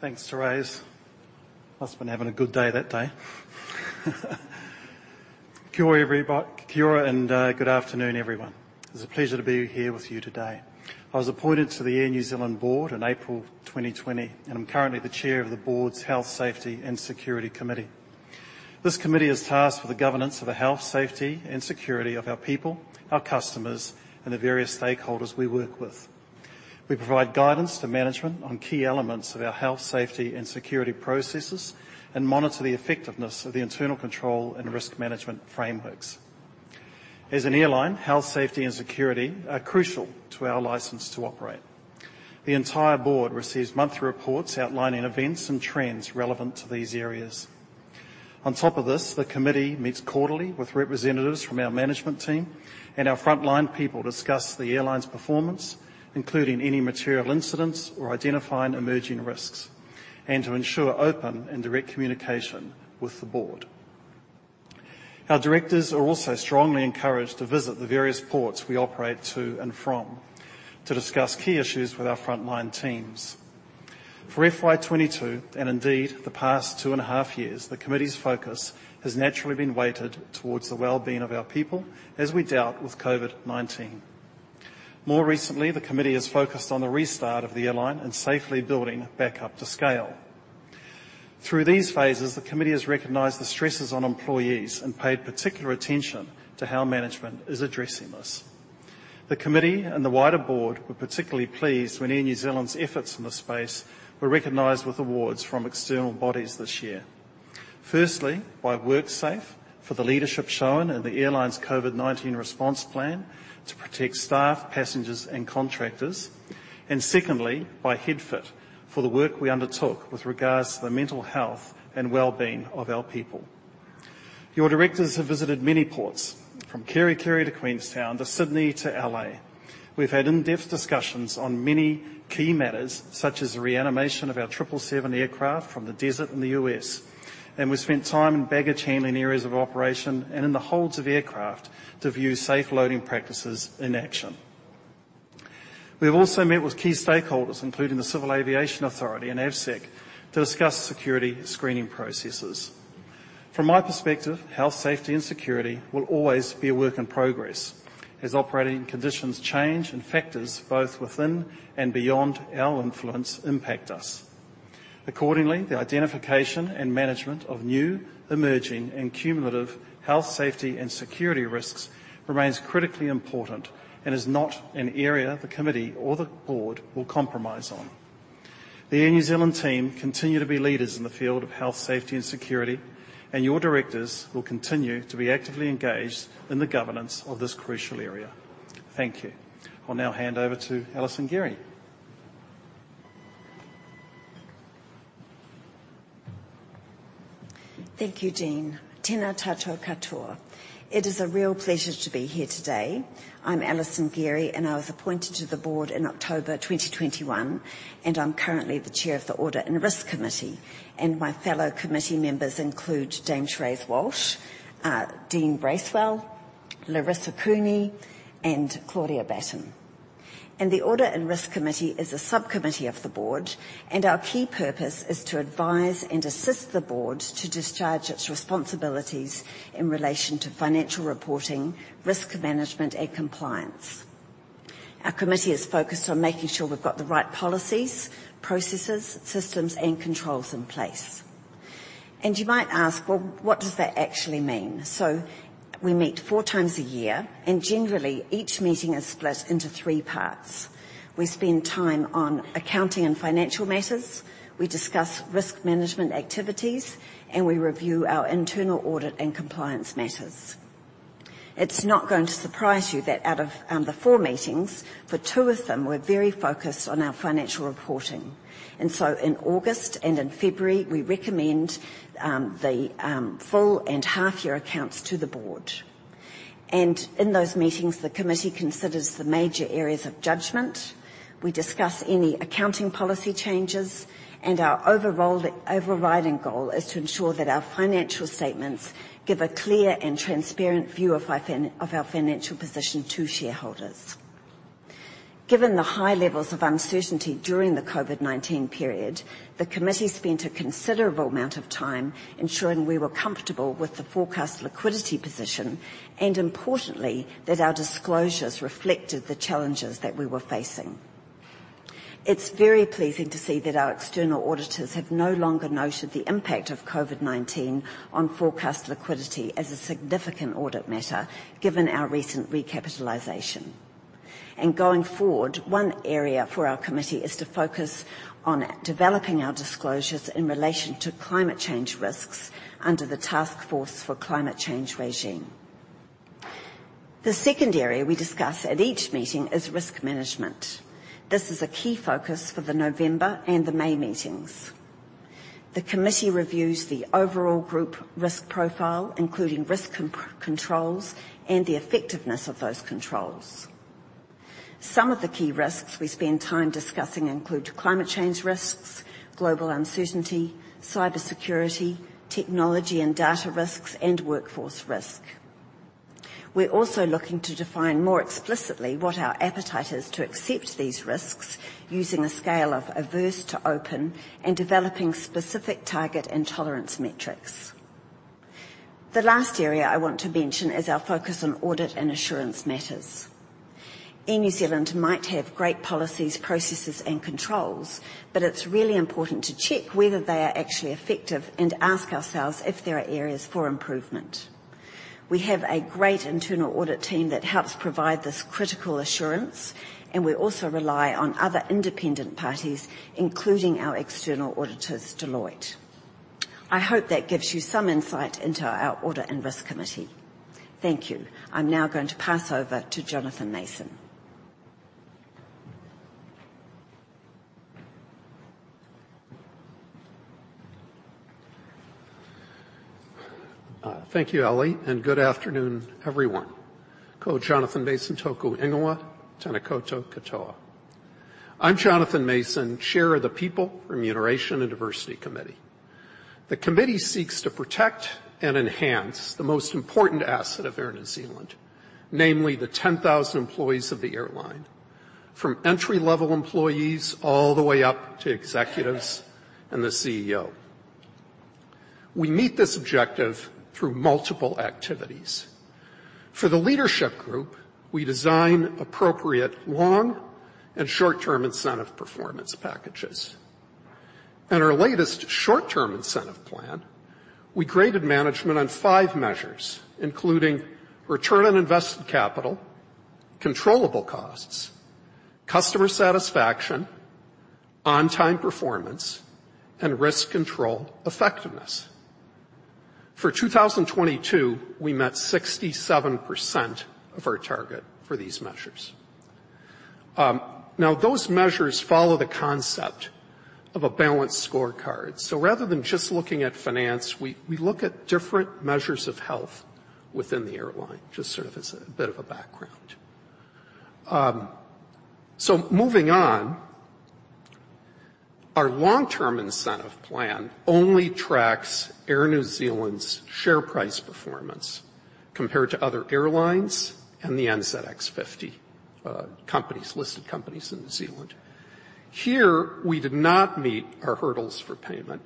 Thanks, Therese. Must've been having a good day that day. Kia ora, and good afternoon, everyone. It's a pleasure to be here with you today. I was appointed to the Air New Zealand board in April 2020, and I'm currently the chair of the board's Health, Safety and Security Committee. This committee is tasked with the governance of the health, safety, and security of our people, our customers, and the various stakeholders we work with. We provide guidance to management on key elements of our health, safety, and security processes and monitor the effectiveness of the internal control and risk management frameworks. As an airline, health, safety, and security are crucial to our license to operate. The entire board receives monthly reports outlining events and trends relevant to these areas. On top of this, the committee meets quarterly with representatives from our management team and our frontline people to discuss the airline's performance, including any material incidents or identifying emerging risks, and to ensure open and direct communication with the board. Our directors are also strongly encouraged to visit the various ports we operate to and from to discuss key issues with our frontline teams. For FY22, and indeed the past two and a half years, the committee's focus has naturally been weighted towards the well-being of our people as we dealt with COVID-19. More recently, the committee has focused on the restart of the airline and safely building back up to scale. Through these phases, the committee has recognized the stresses on employees and paid particular attention to how management is addressing this. The committee and the wider board were particularly pleased when Air New Zealand's efforts in this space were recognized with awards from external bodies this year. Firstly, by WorkSafe for the leadership shown in the airline's COVID-19 response plan to protect staff, passengers, and contractors. Secondly, by HeadFit for the work we undertook with regards to the mental health and well-being of our people. Your directors have visited many ports, from Kerikeri to Queenstown to Sydney to L.A. We've had in-depth discussions on many key matters, such as the reanimation of our triple seven aircraft from the desert in the U.S., and we spent time in baggage handling areas of operation and in the holds of aircraft to view safe loading practices in action. We have also met with key stakeholders, including the Civil Aviation Authority and Avsec, to discuss security screening processes. From my perspective, health, safety, and security will always be a work in progress as operating conditions change and factors both within and beyond our influence impact us. Accordingly, the identification and management of new, emerging, and cumulative health, safety, and security risks remains critically important and is not an area the committee or the board will compromise on. The Air New Zealand team continue to be leaders in the field of health, safety, and security, and your directors will continue to be actively engaged in the governance of this crucial area. Thank you. I'll now hand over to Alison Gerry. Thank you, Dean. Tēnā tātou katoa. It is a real pleasure to be here today. I'm Alison Gerry, and I was appointed to the board in October 2021, and I'm currently the chair of the Audit and Risk Committee. My fellow committee members include Dame Therese Walsh, Dean Bracewell, Laurissa Cooney, and Claudia Batten. The Audit and Risk Committee is a subcommittee of the board, and our key purpose is to advise and assist the board to discharge its responsibilities in relation to financial reporting, risk management, and compliance. Our committee is focused on making sure we've got the right policies, processes, systems, and controls in place. You might ask, "Well, what does that actually mean?" We meet four times a year, and generally, each meeting is split into three parts. We spend time on accounting and financial matters, we discuss risk management activities, and we review our internal audit and compliance matters. It's not going to surprise you that out of the four meetings, for two of them, we're very focused on our financial reporting. In August and in February, we recommend the full and half year accounts to the board. In those meetings, the committee considers the major areas of judgment. We discuss any accounting policy changes, and our overriding goal is to ensure that our financial statements give a clear and transparent view of our financial position to shareholders. Given the high levels of uncertainty during the COVID-19 period, the committee spent a considerable amount of time ensuring we were comfortable with the forecast liquidity position and importantly, that our disclosures reflected the challenges that we were facing. It's very pleasing to see that our external auditors have no longer noted the impact of COVID-19 on forecast liquidity as a significant audit matter, given our recent recapitalization. Going forward, one area for our committee is to focus on developing our disclosures in relation to climate change risks under the Task Force on Climate-related Financial Disclosures. The second area we discuss at each meeting is risk management. This is a key focus for the November and the May meetings. The committee reviews the overall group risk profile, including risk controls and the effectiveness of those controls. Some of the key risks we spend time discussing include climate change risks, global uncertainty, cybersecurity, technology and data risks, and workforce risk. We're also looking to define more explicitly what our appetite is to accept these risks using a scale of averse to open and developing specific target and tolerance metrics. The last area I want to mention is our focus on audit and assurance matters. Air New Zealand might have great policies, processes and controls, but it's really important to check whether they are actually effective and ask ourselves if there are areas for improvement. We have a great internal audit team that helps provide this critical assurance, and we also rely on other independent parties, including our external auditors, Deloitte. I hope that gives you some insight into our Audit and Risk Committee. Thank you. I'm now going to pass over to Jonathan Mason. Thank you, Alison, and good afternoon, everyone. Ko Jonathan Mason toku ingoa. Tēnā koutou katoa. I'm Jonathan Mason, Chair of the People, Remuneration and Diversity Committee. The committee seeks to protect and enhance the most important asset of Air New Zealand, namely the 10,000 employees of the airline, from entry-level employees all the way up to executives and the CEO. We meet this objective through multiple activities. For the leadership group, we design appropriate long- and short-term incentive performance packages. In our latest short-term incentive plan, we graded management on five measures, including return on invested capital, controllable costs, customer satisfaction, on-time performance, and risk control effectiveness. For 2022, we met 67% of our target for these measures. Now, those measures follow the concept of a balanced scorecard. Rather than just looking at finance, we look at different measures of health within the airline, just sort of as a bit of a background. Moving on. Our long-term incentive plan only tracks Air New Zealand's share price performance compared to other airlines and the NZX 50 companies, listed companies in New Zealand. Here, we did not meet our hurdles for payment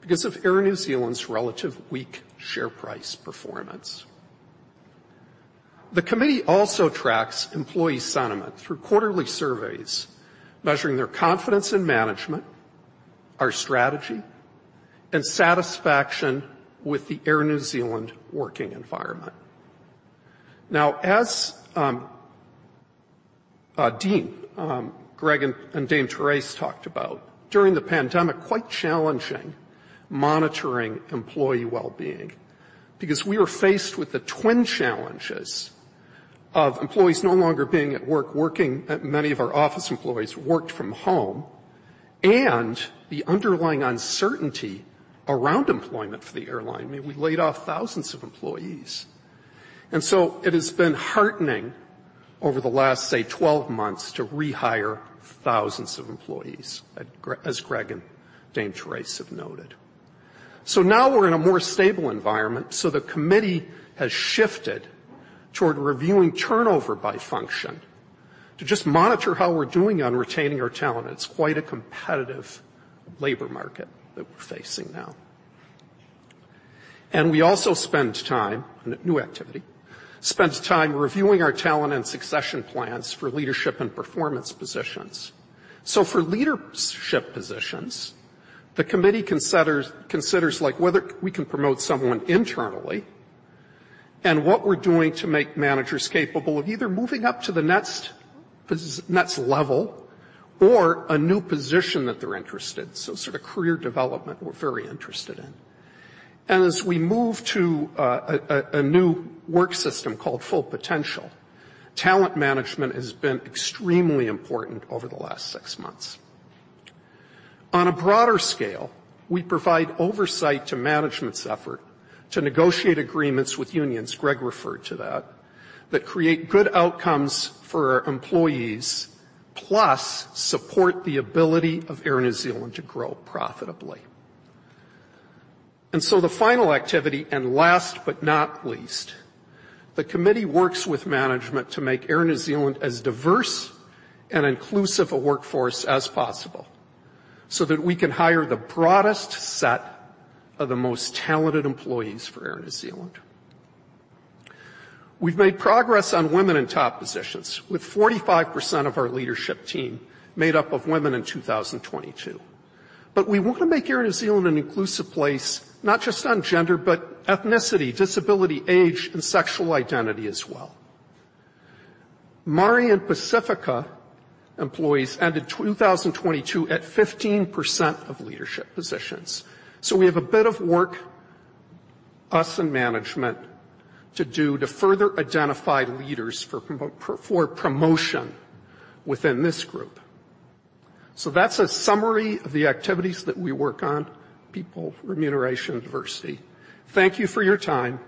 because of Air New Zealand's relatively weak share price performance. The committee also tracks employee sentiment through quarterly surveys, measuring their confidence in management, our strategy, and satisfaction with the Air New Zealand working environment. Now, as Dean, Greg and Dame Therese talked about, during the pandemic, it was quite challenging monitoring employee well-being because we were faced with the twin challenges of employees no longer being at work, many of our office employees worked from home, and the underlying uncertainty around employment for the airline. I mean, we laid off thousands of employees. It has been heartening over the last, say, 12 months to rehire thousands of employees, as Greg and Dame Therese have noted. Now we're in a more stable environment, so the committee has shifted toward reviewing turnover by function to just monitor how we're doing on retaining our talent. It's quite a competitive labor market that we're facing now. We also spend time, a new activity, reviewing our talent and succession plans for leadership and performance positions. For leadership positions, the committee considers, like, whether we can promote someone internally and what we're doing to make managers capable of either moving up to the next level or a new position that they're interested. Sort of career development, we're very interested in. As we move to a new work system called Full Potential, talent management has been extremely important over the last six months. On a broader scale, we provide oversight to management's effort to negotiate agreements with unions, Greg referred to that create good outcomes for our employees, plus support the ability of Air New Zealand to grow profitably. The final activity, and last but not least, the committee works with management to make Air New Zealand as diverse and inclusive a workforce as possible, so that we can hire the broadest set of the most talented employees for Air New Zealand. We've made progress on women in top positions, with 45% of our leadership team made up of women in 2022. We want to make Air New Zealand an inclusive place, not just on gender, but ethnicity, disability, age, and sexual identity as well. Māori and Pasifika employees ended 2022 at 15% of leadership positions. We have a bit of work, us and management, to do to further identify leaders for promotion within this group. That's a summary of the activities that we work on, people, remuneration, and diversity. Thank you for your time.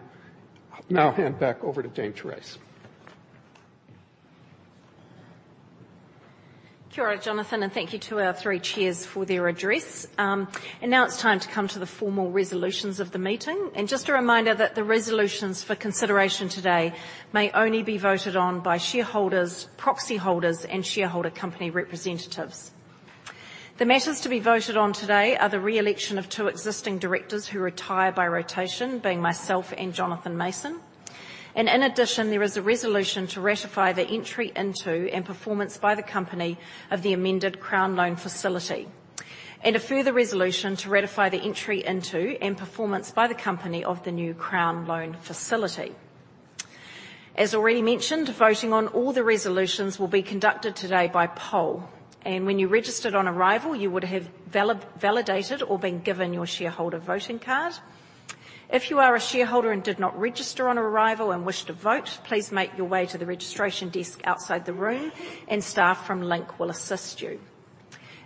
I'll now hand back over to Dame Therese. Kia ora, Jonathan, and thank you to our three chairs for their address. Now it's time to come to the formal resolutions of the meeting. Just a reminder that the resolutions for consideration today may only be voted on by shareholders, proxy holders, and shareholder company representatives. The matters to be voted on today are the re-election of two existing directors who retire by rotation, being myself and Jonathan Mason. In addition, there is a resolution to ratify the entry into and performance by the company of the amended Crown Loan Facility. A further resolution to ratify the entry into and performance by the company of the new Crown Loan Facility. As already mentioned, voting on all the resolutions will be conducted today by poll, and when you registered on arrival, you would have validated or been given your shareholder voting card. If you are a shareholder and did not register on arrival and wish to vote, please make your way to the registration desk outside the room, and staff from Link will assist you.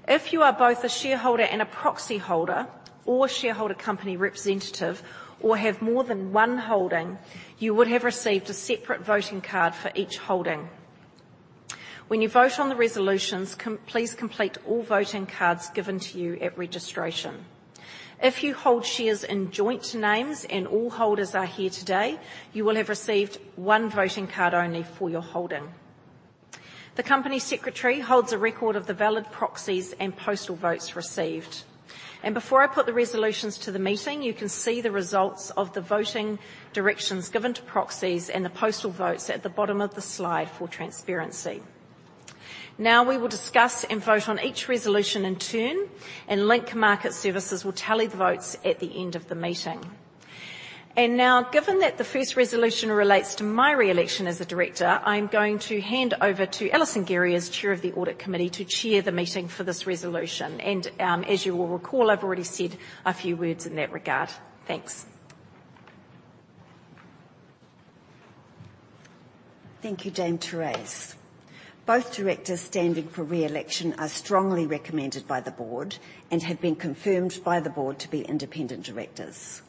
If you are both a shareholder and a proxy holder or shareholder company representative or have more than one holding, you would have received a separate voting card for each holding. When you vote on the resolutions, please complete all voting cards given to you at registration. If you hold shares in joint names and all holders are here today, you will have received one voting card only for your holding. The company secretary holds a record of the valid proxies and postal votes received. Before I put the resolutions to the meeting, you can see the results of the voting directions given to proxies and the postal votes at the bottom of the slide for transparency. Now we will discuss and vote on each resolution in turn, and Link Market Services will tally the votes at the end of the meeting. Now, given that the first resolution relates to my re-election as a director, I'm going to hand over to Alison Gerry as chair of the audit committee to chair the meeting for this resolution. As you will recall, I've already said a few words in that regard. Thanks. Thank you, Dame Therese. Both directors standing for re-election are strongly recommended by the board and have been confirmed by the board to be independent directors.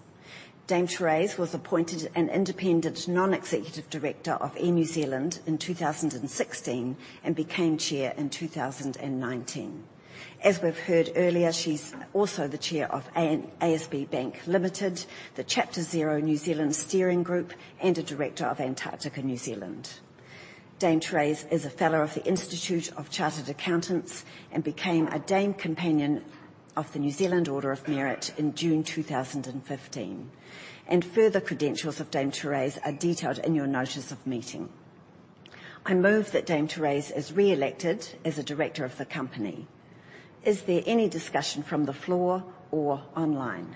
Dame Therese was appointed an independent non-executive director of Air New Zealand in 2016 and became chair in 2019. As we've heard earlier, she's also the chair of ASB Bank Limited, the Chapter Zero New Zealand Steering Committee, and a director of Antarctica New Zealand. Dame Therese is a fellow of the New Zealand Institute of Chartered Accountants and became a Dame Companion of the New Zealand Order of Merit in June 2015. Further credentials of Dame Therese are detailed in your notice of meeting. I move that Dame Therese is re-elected as a director of the company. Is there any discussion from the floor or online?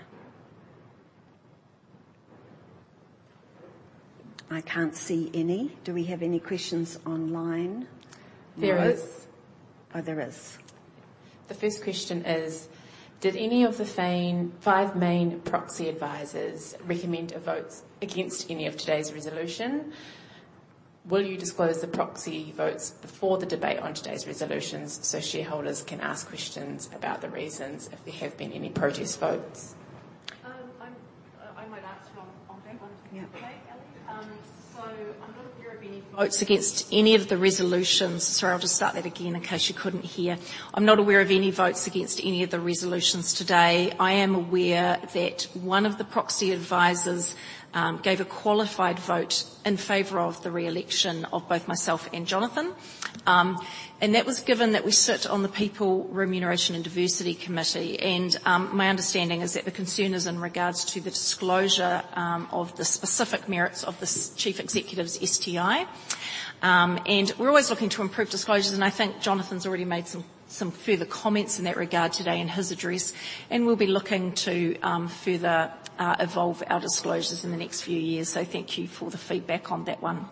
I can't see any. Do we have any questions online? There is. Oh, there is. The first question is, did any of the five main proxy advisors recommend a vote against any of today's resolution? Will you disclose the proxy votes before the debate on today's resolutions, so shareholders can ask questions about the reasons if there have been any protest votes? I might ask on Dame. Do you mind if I, Ali? Yeah. I'm not aware of any votes against any of the resolutions. Sorry, I'll just start that again in case you couldn't hear. I'm not aware of any votes against any of the resolutions today. I am aware that one of the proxy advisors gave a qualified vote in favor of the re-election of both myself and Jonathan. That was given that we sit on the People, Remuneration and Diversity Committee. My understanding is that the concern is in regards to the disclosure of the specific merits of the chief executive's STI. We're always looking to improve disclosures, and I think Jonathan's already made some further comments in that regard today in his address. We'll be looking to further evolve our disclosures in the next few years. Thank you for the feedback on that one.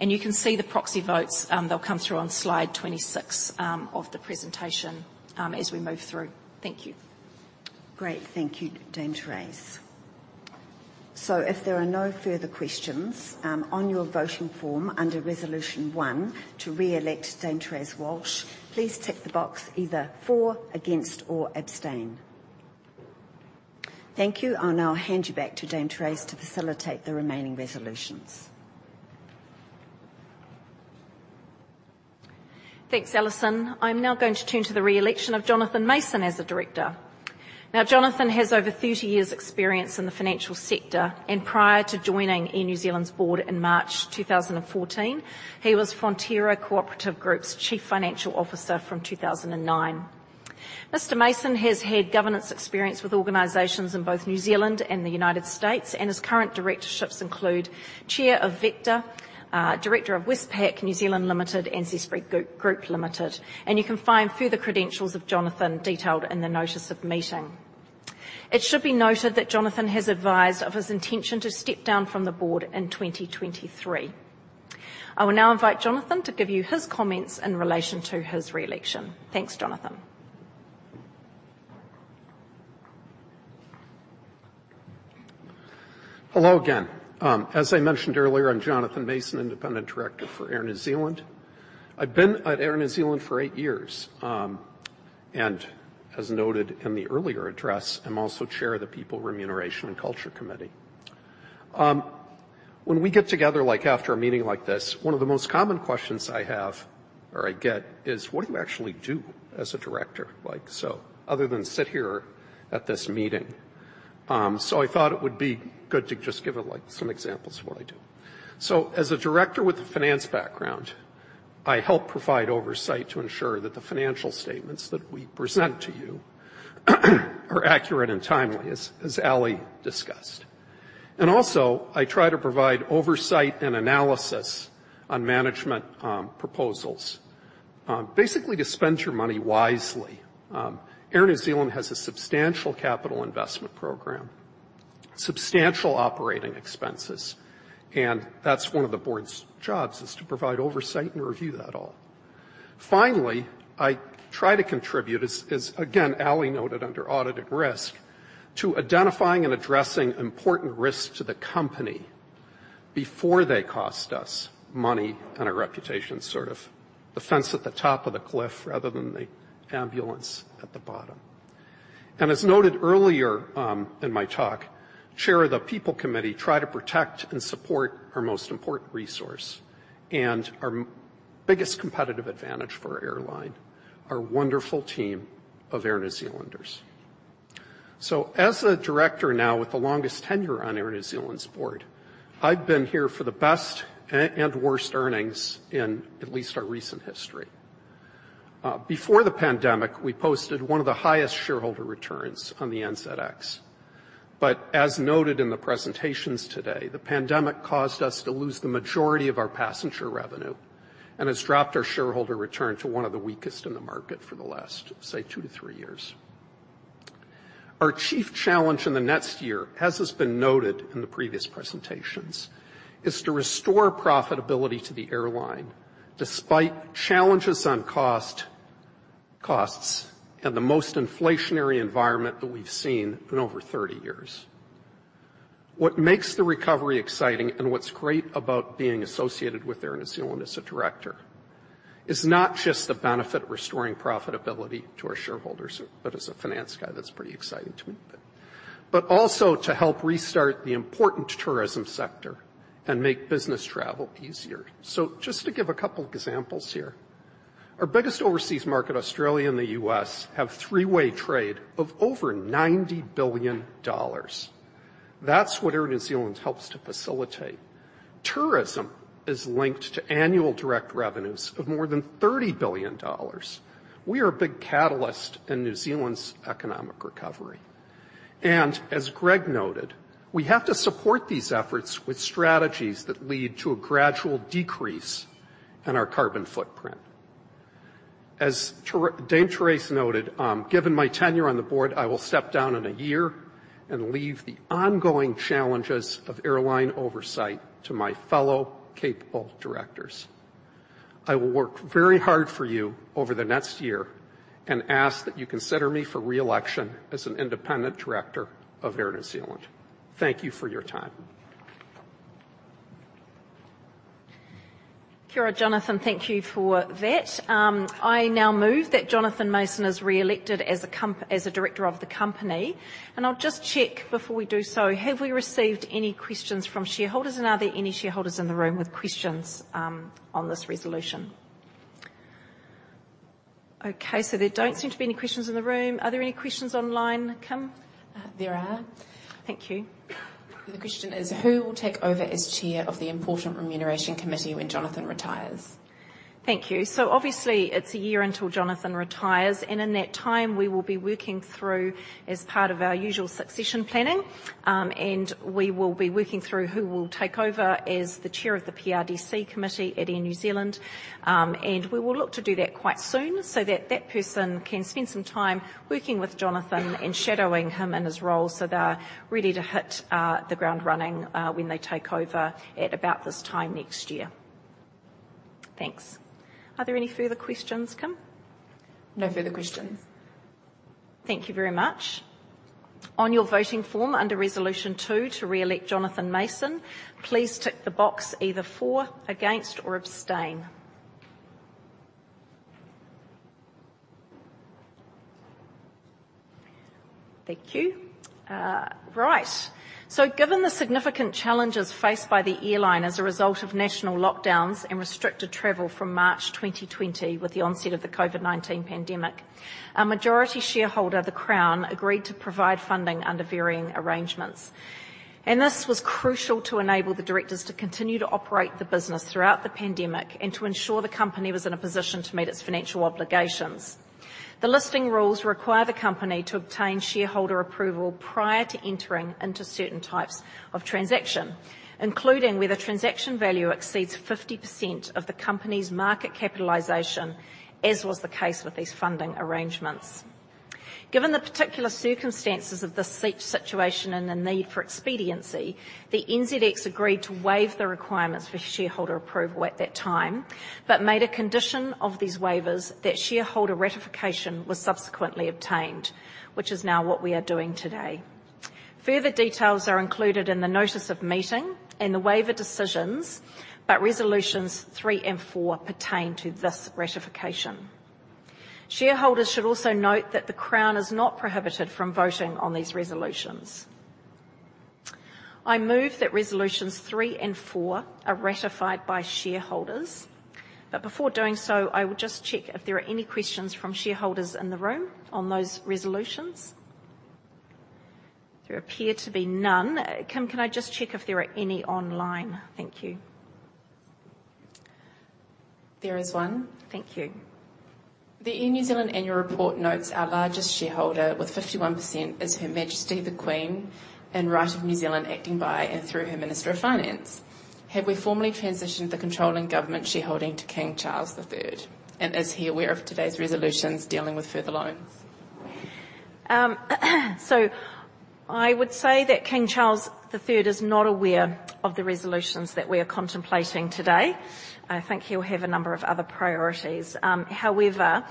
You can see the proxy votes. They'll come through on slide 26 of the presentation as we move through. Thank you. Great. Thank you, Dame Therese. So if there are no further questions on your voting form under Resolution 1 to re-elect Dame Therese Walsh, please tick the box either for, against, or abstain. Thank you. I'll now hand you back to Dame Therese to facilitate the remaining resolutions. Thanks, Alison. I'm now going to turn to the re-election of Jonathan Mason as a director. Now, Jonathan has over 30 years experience in the financial sector, and prior to joining Air New Zealand's board in March 2014, he was Fonterra Co-operative Group Chief Financial Officer from 2009. Mr. Mason has had governance experience with organizations in both New Zealand and the United States, and his current directorships include Chair of Vector, Director of Westpac New Zealand Limited, and Zespri Group Limited. You can find further credentials of Jonathan detailed in the notice of meeting. It should be noted that Jonathan has advised of his intention to step down from the board in 2023. I will now invite Jonathan to give you his comments in relation to his re-election. Thanks, Jonathan. Hello again. As I mentioned earlier, I'm Jonathan Mason, Independent Director for Air New Zealand. I've been at Air New Zealand for eight years. As noted in the earlier address, I'm also Chair of the People, Remuneration and Diversity Committee. When we get together, like after a meeting like this, one of the most common questions I have or I get is: What do you actually do as a director? Like, so other than sit here at this meeting. I thought it would be good to just give, like, some examples of what I do. As a director with a finance background, I help provide oversight to ensure that the financial statements that we present to you are accurate and timely, as Alison discussed. I try to provide oversight and analysis on management proposals. Basically to spend your money wisely. Air New Zealand has a substantial capital investment program, substantial operating expenses, and that's one of the board's jobs, is to provide oversight and review that all. Finally, I try to contribute as again, Alison noted under Audit and Risk, to identifying and addressing important risks to the company before they cost us money and our reputation. Sort of the fence at the top of the cliff rather than the ambulance at the bottom. As noted earlier, in my talk, chair of the People Committee try to protect and support our most important resource and our biggest competitive advantage for airline, our wonderful team of Air New Zealanders. As a director now with the longest tenure on Air New Zealand's board, I've been here for the best and worst earnings in at least our recent history. Before the pandemic, we posted one of the highest shareholder returns on the NZX. As noted in the presentations today, the pandemic caused us to lose the majority of our passenger revenue and has dropped our shareholder return to one of the weakest in the market for the last, say, 2-3 years. Our chief challenge in the next year, as has been noted in the previous presentations, is to restore profitability to the airline despite challenges on costs in the most inflationary environment that we've seen in over 30 years. What makes the recovery exciting and what's great about being associated with Air New Zealand as a director is not just the benefit of restoring profitability to our shareholders, but as a finance guy, that's pretty exciting to me, but also to help restart the important tourism sector and make business travel easier. Just to give a couple of examples here. Our biggest overseas market, Australia and the US, have three-way trade of over 90 billion dollars. That's what Air New Zealand helps to facilitate. Tourism is linked to annual direct revenues of more than 30 billion dollars. We are a big catalyst in New Zealand's economic recovery. As Greg noted, we have to support these efforts with strategies that lead to a gradual decrease in our carbon footprint. As Dame Therese noted, given my tenure on the board, I will step down in a year and leave the ongoing challenges of airline oversight to my fellow capable directors. I will work very hard for you over the next year and ask that you consider me for re-election as an independent director of Air New Zealand. Thank you for your time. Kia ora, Jonathan. Thank you for that. I now move that Jonathan Mason is re-elected as a director of the company. I'll just check before we do so, have we received any questions from shareholders, and are there any shareholders in the room with questions, on this resolution? Okay, there don't seem to be any questions in the room. Are there any questions online, Kim? There are. Thank you. The question is: Who will take over as chair of the important Remuneration Committee when Jonathan retires? Thank you. Obviously, it's a year until Jonathan retires, and in that time, we will be working through as part of our usual succession planning, and we will be working through who will take over as the chair of the PRDC committee at Air New Zealand. We will look to do that quite soon so that that person can spend some time working with Jonathan and shadowing him in his role, so they are ready to hit the ground running when they take over at about this time next year. Thanks. Are there any further questions, Kim? No further questions. Thank you very much. On your voting form under Resolution 2, to re-elect Jonathan Mason, please tick the box either for, against, or abstain. Thank you. Given the significant challenges faced by the airline as a result of national lockdowns and restricted travel from March 2020 with the onset of the COVID-19 pandemic, our majority shareholder, the Crown, agreed to provide funding under varying arrangements. This was crucial to enable the directors to continue to operate the business throughout the pandemic and to ensure the company was in a position to meet its financial obligations. The listing rules require the company to obtain shareholder approval prior to entering into certain types of transaction, including where the transaction value exceeds 50% of the company's market capitalization, as was the case with these funding arrangements. Given the particular circumstances of this situation and the need for expediency, the NZX agreed to waive the requirements for shareholder approval at that time, but made a condition of these waivers that shareholder ratification was subsequently obtained, which is now what we are doing today. Further details are included in the notice of meeting and the waiver decisions, but Resolutions three and four pertain to this ratification. Shareholders should also note that the Crown is not prohibited from voting on these resolutions. I move that Resolutions three and four are ratified by shareholders. Before doing so, I will just check if there are any questions from shareholders in the room on those resolutions. There appear to be none. Kim, can I just check if there are any online? Thank you. There is one. Thank you. The Air New Zealand annual report notes our largest shareholder with 51% is Her Majesty the Queen in right of New Zealand acting by and through her Minister of Finance. Have we formally transitioned the controlling government shareholding to King Charles III, and is he aware of today's resolutions dealing with further loans? I would say that King Charles III is not aware of the resolutions that we are contemplating today. I think he'll have a number of other priorities. However,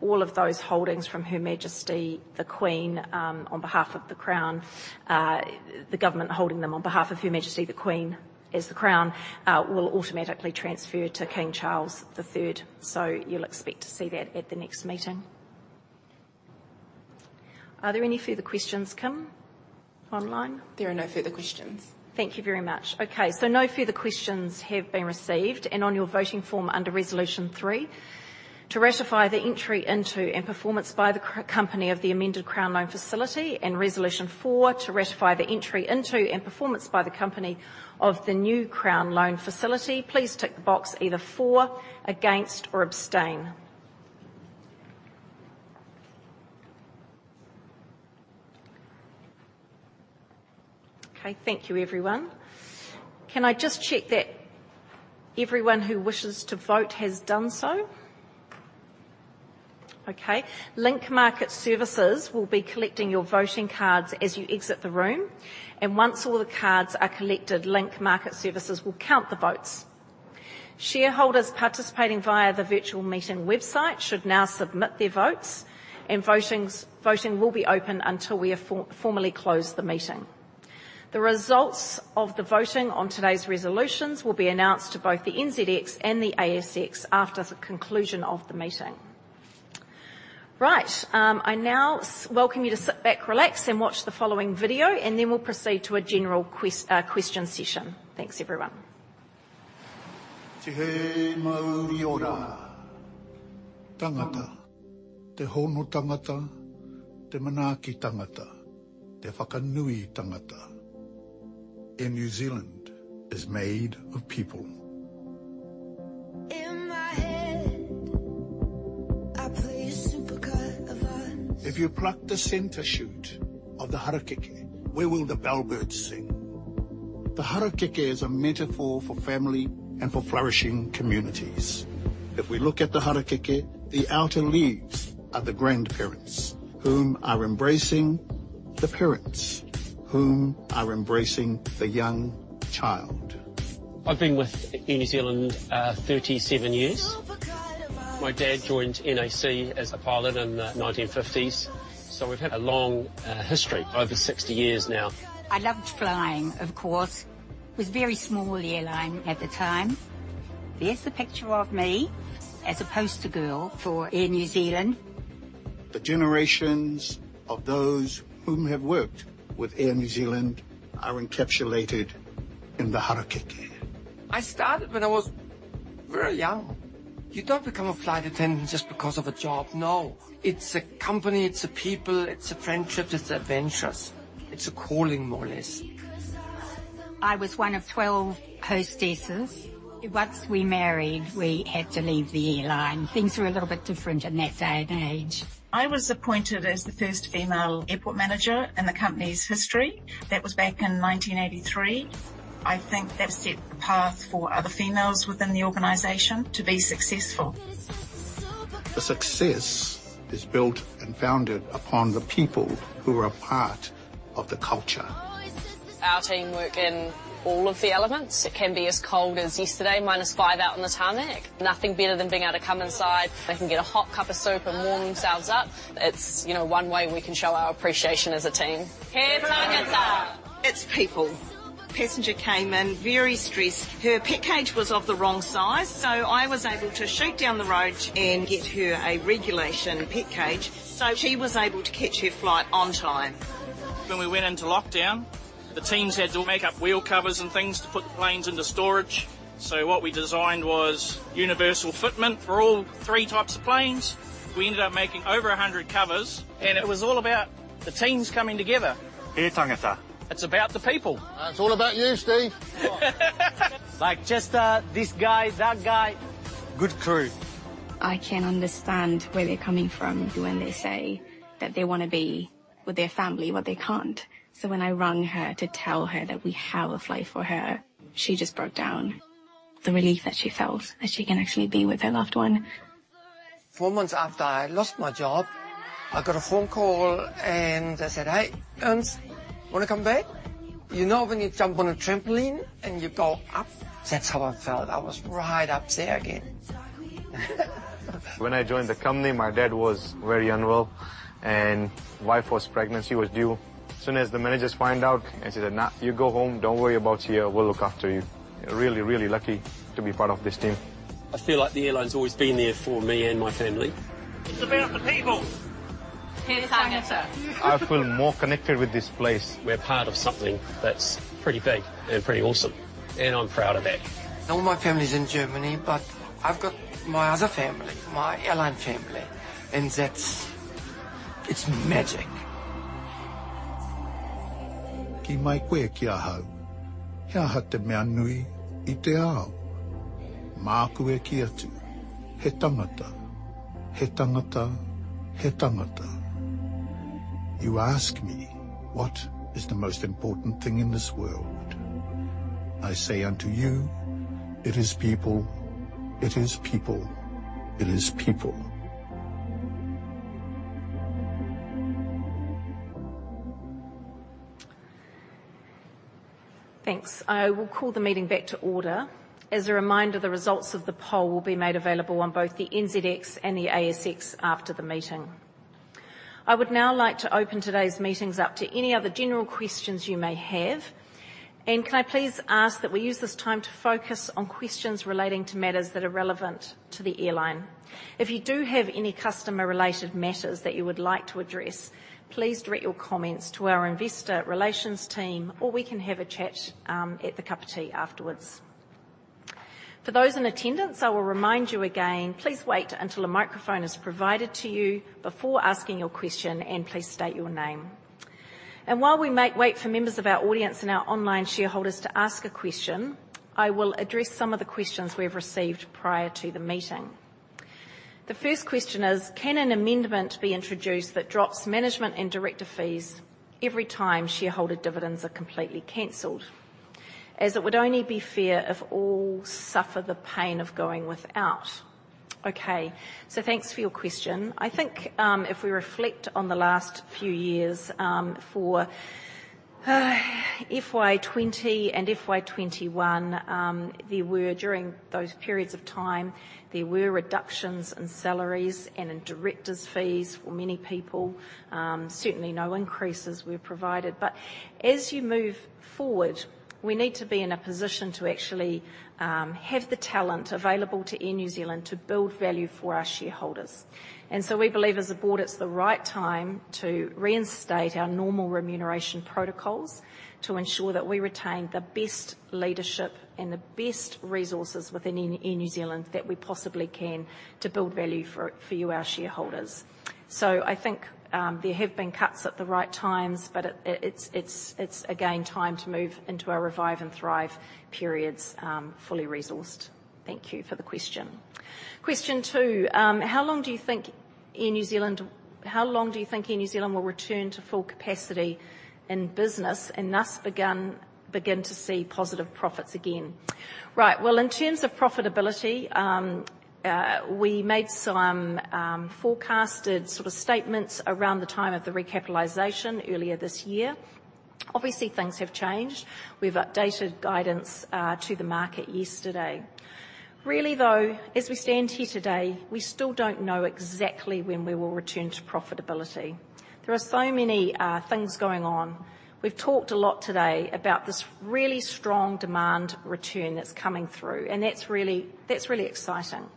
all of those holdings from Her Majesty the Queen on behalf of the Crown, the government holding them on behalf of Her Majesty the Queen as the Crown, will automatically transfer to King Charles III. You'll expect to see that at the next meeting. Are there any further questions, Kim, online? There are no further questions. Thank you very much. Okay, so no further questions have been received. On your voting form under Resolution three, to ratify the entry into and performance by the company of the amended Crown Loan Facility, and Resolution four, to ratify the entry into and performance by the company of the new Crown Loan Facility, please tick the box either for, against, or abstain. Okay, thank you, everyone. Can I just check that everyone who wishes to vote has done so? Okay. Link Market Services will be collecting your voting cards as you exit the room, and once all the cards are collected, Link Market Services will count the votes. Shareholders participating via the virtual meeting website should now submit their votes, and voting will be open until we have formally closed the meeting. The results of the voting on today's resolutions will be announced to both the NZX and the ASX after the conclusion of the meeting. Right. I now welcome you to sit back, relax, and watch the following video, and then we'll proceed to a general question session. Thanks, everyone. Air New Zealand is made of people. In my head, I play a supercut of us. If you pluck the center shoot of the harakeke, where will the bellbirds sing? The harakeke is a metaphor for family and for flourishing communities. If we look at the harakeke, the outer leaves are the grandparents, whom are embracing the parents, whom are embracing the young child. I've been with Air New Zealand, 37 years. Supercut of us. My dad joined NAC as a pilot in the 1950s, so we've had a long history, over 60 years now. Supercut of us. I loved flying, of course. It was a very small airline at the time. There's the picture of me as a poster girl for Air New Zealand. The generations of those whom have worked with Air New Zealand are encapsulated in the harakeke. I started when I was very young. You don't become a flight attendant just because of a job. No. It's a company, it's the people, it's the friendship, it's the adventures. It's a calling, more or less. 'Cause I remember you. I was one of 12 hostesses. Once we married, we had to leave the airline. Things were a little bit different in that day and age. I was appointed as the first female airport manager in the company's history. That was back in 1983. I think that set the path for other females within the organization to be successful. Supercut of us The success is built and founded upon the people who are a part of the culture. Our team work in all of the elements. It can be as cold as yesterday, five out on the tarmac. Nothing better than being able to come inside. They can get a hot cup of soup and warm themselves up. It's, you know, one way we can show our appreciation as a team. He tangata. It's people. Passenger came in very stressed. Her pet cage was of the wrong size, so I was able to shoot down the road and get her a regulation pet cage, so she was able to catch her flight on time. When we went into lockdown, the teams had to make up wheel covers and things to put the planes into storage. What we designed was universal fitment for all three types of planes. We ended up making over 100 covers, and it was all about the teams coming together. He tangata. It's about the people. It's all about you, Steve. Like, just, this guy, that guy. Good crew. I can understand where they're coming from when they say that they wanna be with their family, but they can't. When I rung her to tell her that we have a flight for her, she just broke down. The relief that she felt that she can actually be with her loved one. Four months after I lost my job, I got a phone call and they said, "Hey, Ernst, wanna come back?" You know, when you jump on a trampoline and you go up, that's how I felt. I was right up there again. When I joined the company, my dad was very unwell, and wife was pregnant. She was due. Soon as the managers find out, they said, "Nah, you go home. Don't worry about here. We'll look after you." Really, really lucky to be part of this team. I feel like the airline's always been there for me and my family. It's about the people. He tangata. I feel more connected with this place. We're part of something that's pretty big and pretty awesome, and I'm proud of that. All my family's in Germany, but I've got my other family, my airline family, and that's. It's magic. Kī mai koe ki ahau. He aha te mea nui i te ao? Māku e kī atu. He tangata, he tangata, he tangata. You ask me, "What is the most important thing in this world?" I say unto you, "It is people. It is people. It is people. Thanks. I will call the meeting back to order. As a reminder, the results of the poll will be made available on both the NZX and the ASX after the meeting. I would now like to open today's meetings up to any other general questions you may have. Can I please ask that we use this time to focus on questions relating to matters that are relevant to the airline. If you do have any customer-related matters that you would like to address, please direct your comments to our investor relations team, or we can have a chat at the cup of tea afterwards. For those in attendance, I will remind you again, please wait until a microphone is provided to you before asking your question, and please state your name. While we await for members of our audience and our online shareholders to ask a question, I will address some of the questions we've received prior to the meeting. The first question is: Can an amendment be introduced that drops management and director fees every time shareholder dividends are completely canceled, as it would only be fair if all suffer the pain of going without? Okay. Thanks for your question. I think, if we reflect on the last few years, for FY 20 and FY 21, there were reductions during those periods of time in salaries and in directors' fees for many people. Certainly no increases were provided. But as you move forward, we need to be in a position to actually have the talent available to Air New Zealand to build value for our shareholders. We believe as a board it's the right time to reinstate our normal remuneration protocols to ensure that we retain the best leadership and the best resources within Air New Zealand that we possibly can to build value for you, our shareholders. I think there have been cuts at the right times, but it's again time to move into our Revive and Thrive periods, fully resourced. Thank you for the question. Question two: How long do you think Air New Zealand will return to full capacity in business and thus begin to see positive profits again? Right. Well, in terms of profitability, we made some forecasted sort of statements around the time of the recapitalization earlier this year. Obviously, things have changed. We've updated guidance to the market yesterday. Really, though, as we stand here today, we still don't know exactly when we will return to profitability. There are so many things going on. We've talked a lot today about this really strong demand return that's coming through, and that's really exciting.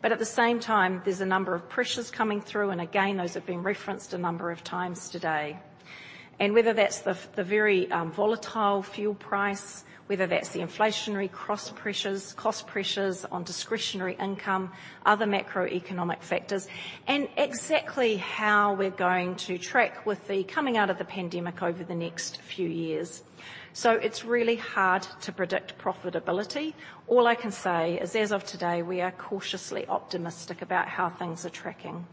But at the same time, there's a number of pressures coming through, and again, those have been referenced a number of times today. Whether that's the very volatile fuel price, whether that's the inflationary cross pressures, cost pressures on discretionary income, other macroeconomic factors, and exactly how we're going to track with the coming out of the pandemic over the next few years. It's really hard to predict profitability. All I can say is, as of today, we are cautiously optimistic about how things are tracking.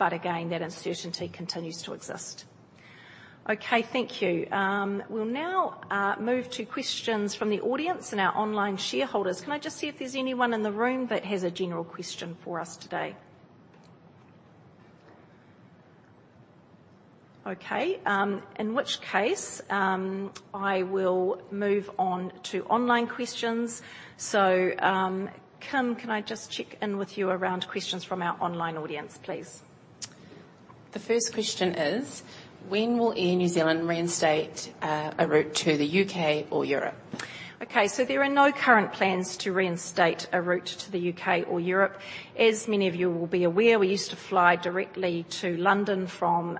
Again, that uncertainty continues to exist. Okay, thank you. We'll now move to questions from the audience and our online shareholders. Can I just see if there's anyone in the room that has a general question for us today? Okay, in which case, I will move on to online questions. Kim, can I just check in with you around questions from our online audience, please? The first question is: When will Air New Zealand reinstate a route to the U.K. or Europe? Okay, there are no current plans to reinstate a route to the UK or Europe. As many of you will be aware, we used to fly directly to London from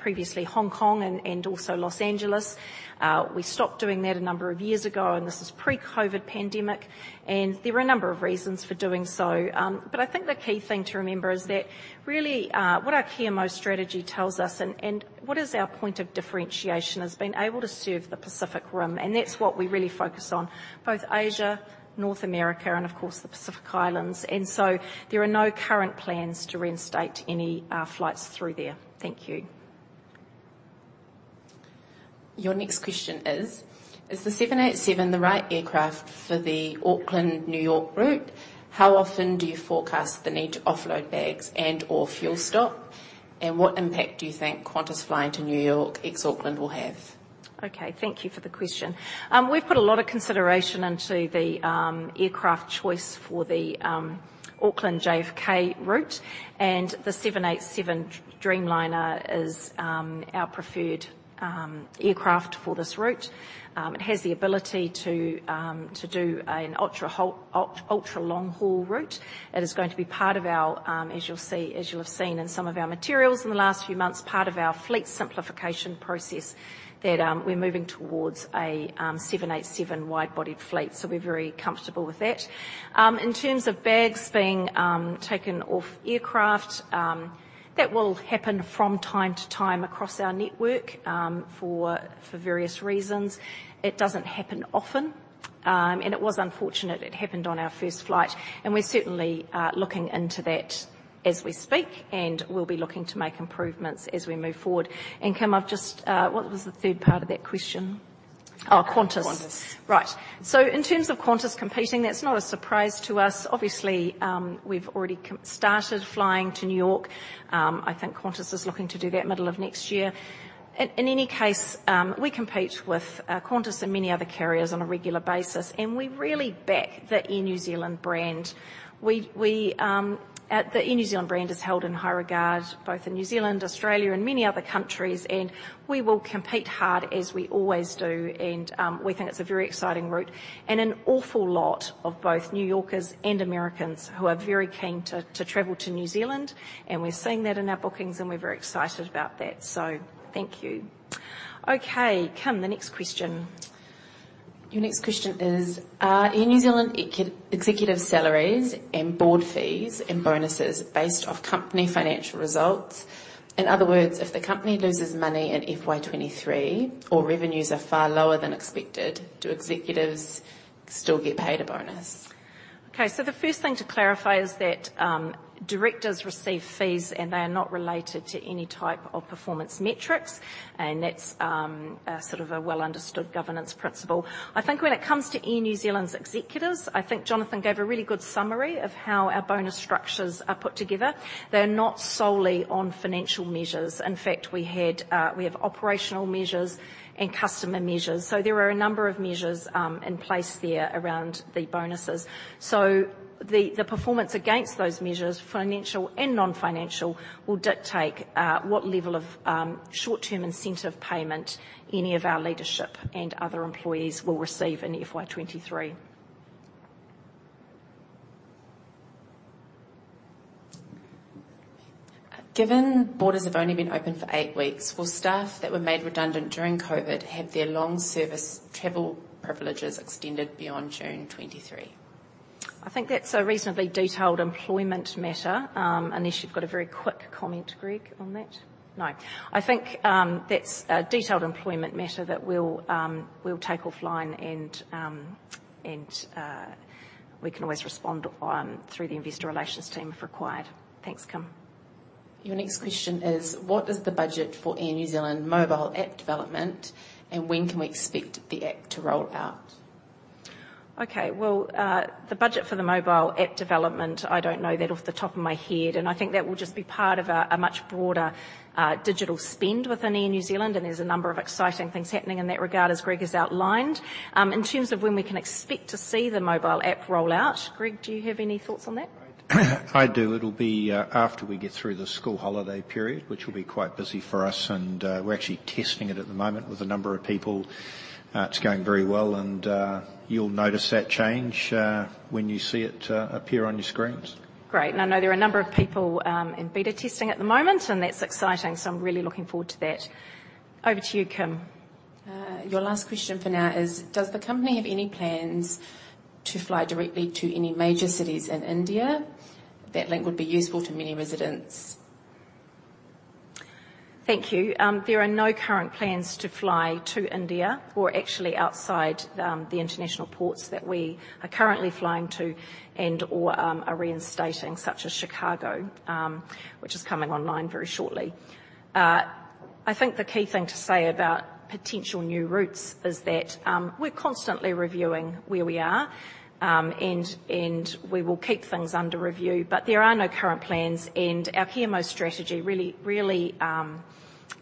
previously Hong Kong and also Los Angeles. We stopped doing that a number of years ago, and this is pre-COVID pandemic, and there were a number of reasons for doing so. But I think the key thing to remember is that really, what our Kia Mau strategy tells us and what is our point of differentiation is being able to serve the Pacific Rim, and that's what we really focus on, both Asia, North America, and of course the Pacific Islands. There are no current plans to reinstate any flights through there. Thank you. Your next question is: Is the 787 the right aircraft for the Auckland-New York route? How often do you forecast the need to offload bags and/or fuel stop? And what impact do you think Qantas flying to New York ex-Auckland will have? Okay, thank you for the question. We've put a lot of consideration into the aircraft choice for the Auckland-JFK route, and the 787 Dreamliner is our preferred aircraft for this route. It has the ability to do an ultra-long-haul route. It is going to be part of our, as you'll have seen in some of our materials in the last few months, part of our fleet simplification process that we're moving towards a 787 wide-bodied fleet. So we're very comfortable with that. In terms of bags being taken off aircraft, that will happen from time to time across our network for various reasons. It doesn't happen often, and it was unfortunate it happened on our first flight, and we're certainly looking into that as we speak, and we'll be looking to make improvements as we move forward. Kim, I've just, what was the third part of that question? Oh, Qantas. Qantas. Right. In terms of Qantas competing, that's not a surprise to us. Obviously, we've already started flying to New York. I think Qantas is looking to do that middle of next year. In any case, we compete with Qantas and many other carriers on a regular basis, and we really back the Air New Zealand brand. The Air New Zealand brand is held in high regard both in New Zealand, Australia, and many other countries, and we will compete hard as we always do. We think it's a very exciting route. An awful lot of both New Yorkers and Americans who are very keen to travel to New Zealand, and we're seeing that in our bookings, and we're very excited about that. Thank you. Okay, Kim, the next question. Your next question is: Are Air New Zealand executive salaries and board fees and bonuses based off company financial results? In other words, if the company loses money in FY23 or revenues are far lower than expected, do executives still get paid a bonus? Okay, the first thing to clarify is that directors receive fees, and they are not related to any type of performance metrics, and that's a sort of a well-understood governance principle. I think when it comes to Air New Zealand's executives, I think Jonathan gave a really good summary of how our bonus structures are put together. They're not solely on financial measures. In fact, we have operational measures and customer measures. There are a number of measures in place there around the bonuses. The performance against those measures, financial and non-financial, will dictate what level of short-term incentive payment any of our leadership and other employees will receive in FY23. Given borders have only been open for eight weeks, will staff that were made redundant during COVID have their long service travel privileges extended beyond June 2023? I think that's a reasonably detailed employment matter, unless you've got a very quick comment, Greg, on that. No. I think that's a detailed employment matter that we'll take offline, and we can always respond through the investor relations team if required. Thanks, Kim. Your next question is: What is the budget for Air New Zealand mobile app development, and when can we expect the app to roll out? Well, the budget for the mobile app development, I don't know that off the top of my head, and I think that will just be part of a much broader digital spend within Air New Zealand, and there's a number of exciting things happening in that regard, as Greg has outlined. In terms of when we can expect to see the mobile app roll out, Greg, do you have any thoughts on that? I do. It'll be after we get through the school holiday period, which will be quite busy for us. We're actually testing it at the moment with a number of people. It's going very well, and you'll notice that change when you see it appear on your screens. Great. I know there are a number of people in beta testing at the moment, and that's exciting, so I'm really looking forward to that. Over to you, Kim. Your last question for now is: Does the company have any plans to fly directly to any major cities in India? That link would be useful to many residents. Thank you. There are no current plans to fly to India or actually outside the international ports that we are currently flying to and/or are reinstating, such as Chicago, which is coming online very shortly. I think the key thing to say about potential new routes is that we're constantly reviewing where we are and we will keep things under review, but there are no current plans, and our Kia Mau strategy really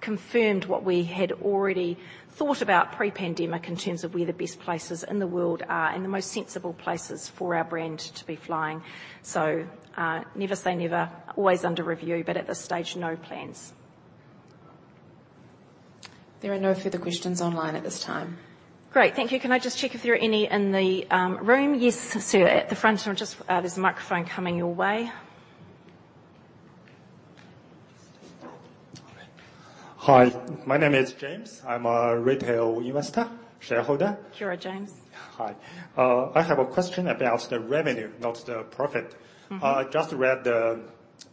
confirmed what we had already thought about pre-pandemic in terms of where the best places in the world are and the most sensible places for our brand to be flying. Never say never, always under review, but at this stage, no plans. There are no further questions online at this time. Great. Thank you. Can I just check if there are any in the room? Yes, sir, at the front. Just, there's a microphone coming your way. Hi, my name is James. I'm a retail investor, shareholder. Kia ora, James. Hi. I have a question about the revenue, not the profit. Mm-hmm. Just read the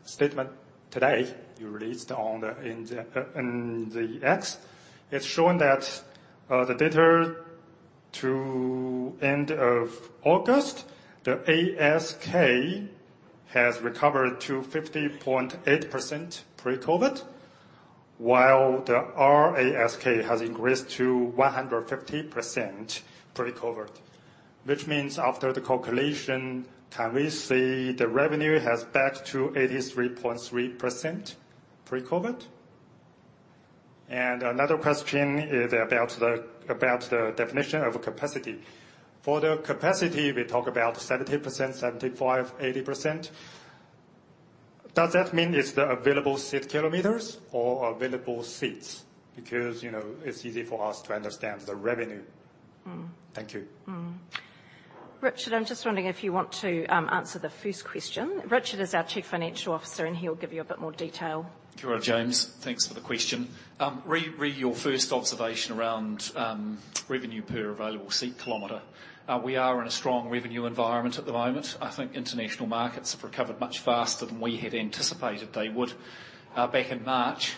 statement today you released on the NZX. It's shown that the data to end of August, the ASK has recovered to 50.8% pre-COVID, while the RASK has increased to 150% pre-COVID, which means after the calculation, can we say the revenue has backed to 83.3% pre-COVID? Another question is about the definition of capacity. For the capacity, we talk about 70%, 75%, 80%. Does that mean it's the available seat kilometers or available seats? Because, you know, it's easy for us to understand the revenue. Mm. Thank you. Richard, I'm just wondering if you want to answer the first question. Richard is our Chief Financial Officer, and he'll give you a bit more detail. Kia ora, James. Thanks for the question. Re your first observation around revenue per available seat kilometer, we are in a strong revenue environment at the moment. I think international markets have recovered much faster than we had anticipated they would back in March.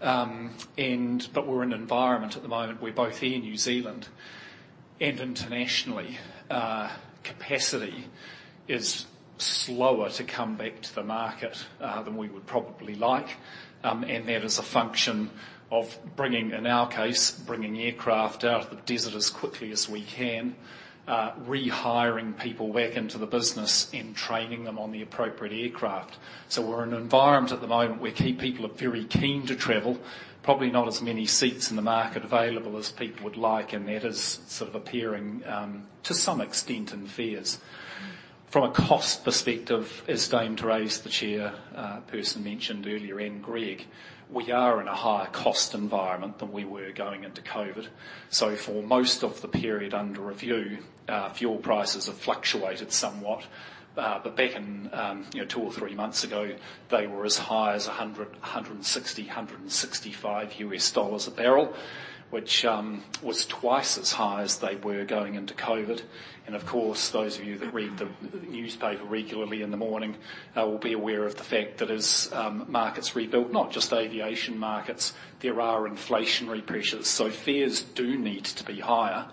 But we're in an environment at the moment where both Air New Zealand and internationally capacity is slower to come back to the market than we would probably like. That is a function of bringing, in our case, aircraft out of the desert as quickly as we can, rehiring people back into the business and training them on the appropriate aircraft. We're in an environment at the moment where key people are very keen to travel. Probably not as many seats in the market available as people would like, and that is sort of appearing to some extent in fares. From a cost perspective, as Dame Therese, the chairperson mentioned earlier, and Greg, we are in a higher cost environment than we were going into COVID. For most of the period under review, fuel prices have fluctuated somewhat. But back in, you know, two or three months ago, they were as high as $165 a barrel, which was twice as high as they were going into COVID. Of course, those of you that read the newspaper regularly in the morning will be aware of the fact that as markets rebuild, not just aviation markets, there are inflationary pressures. Fares do need to be higher,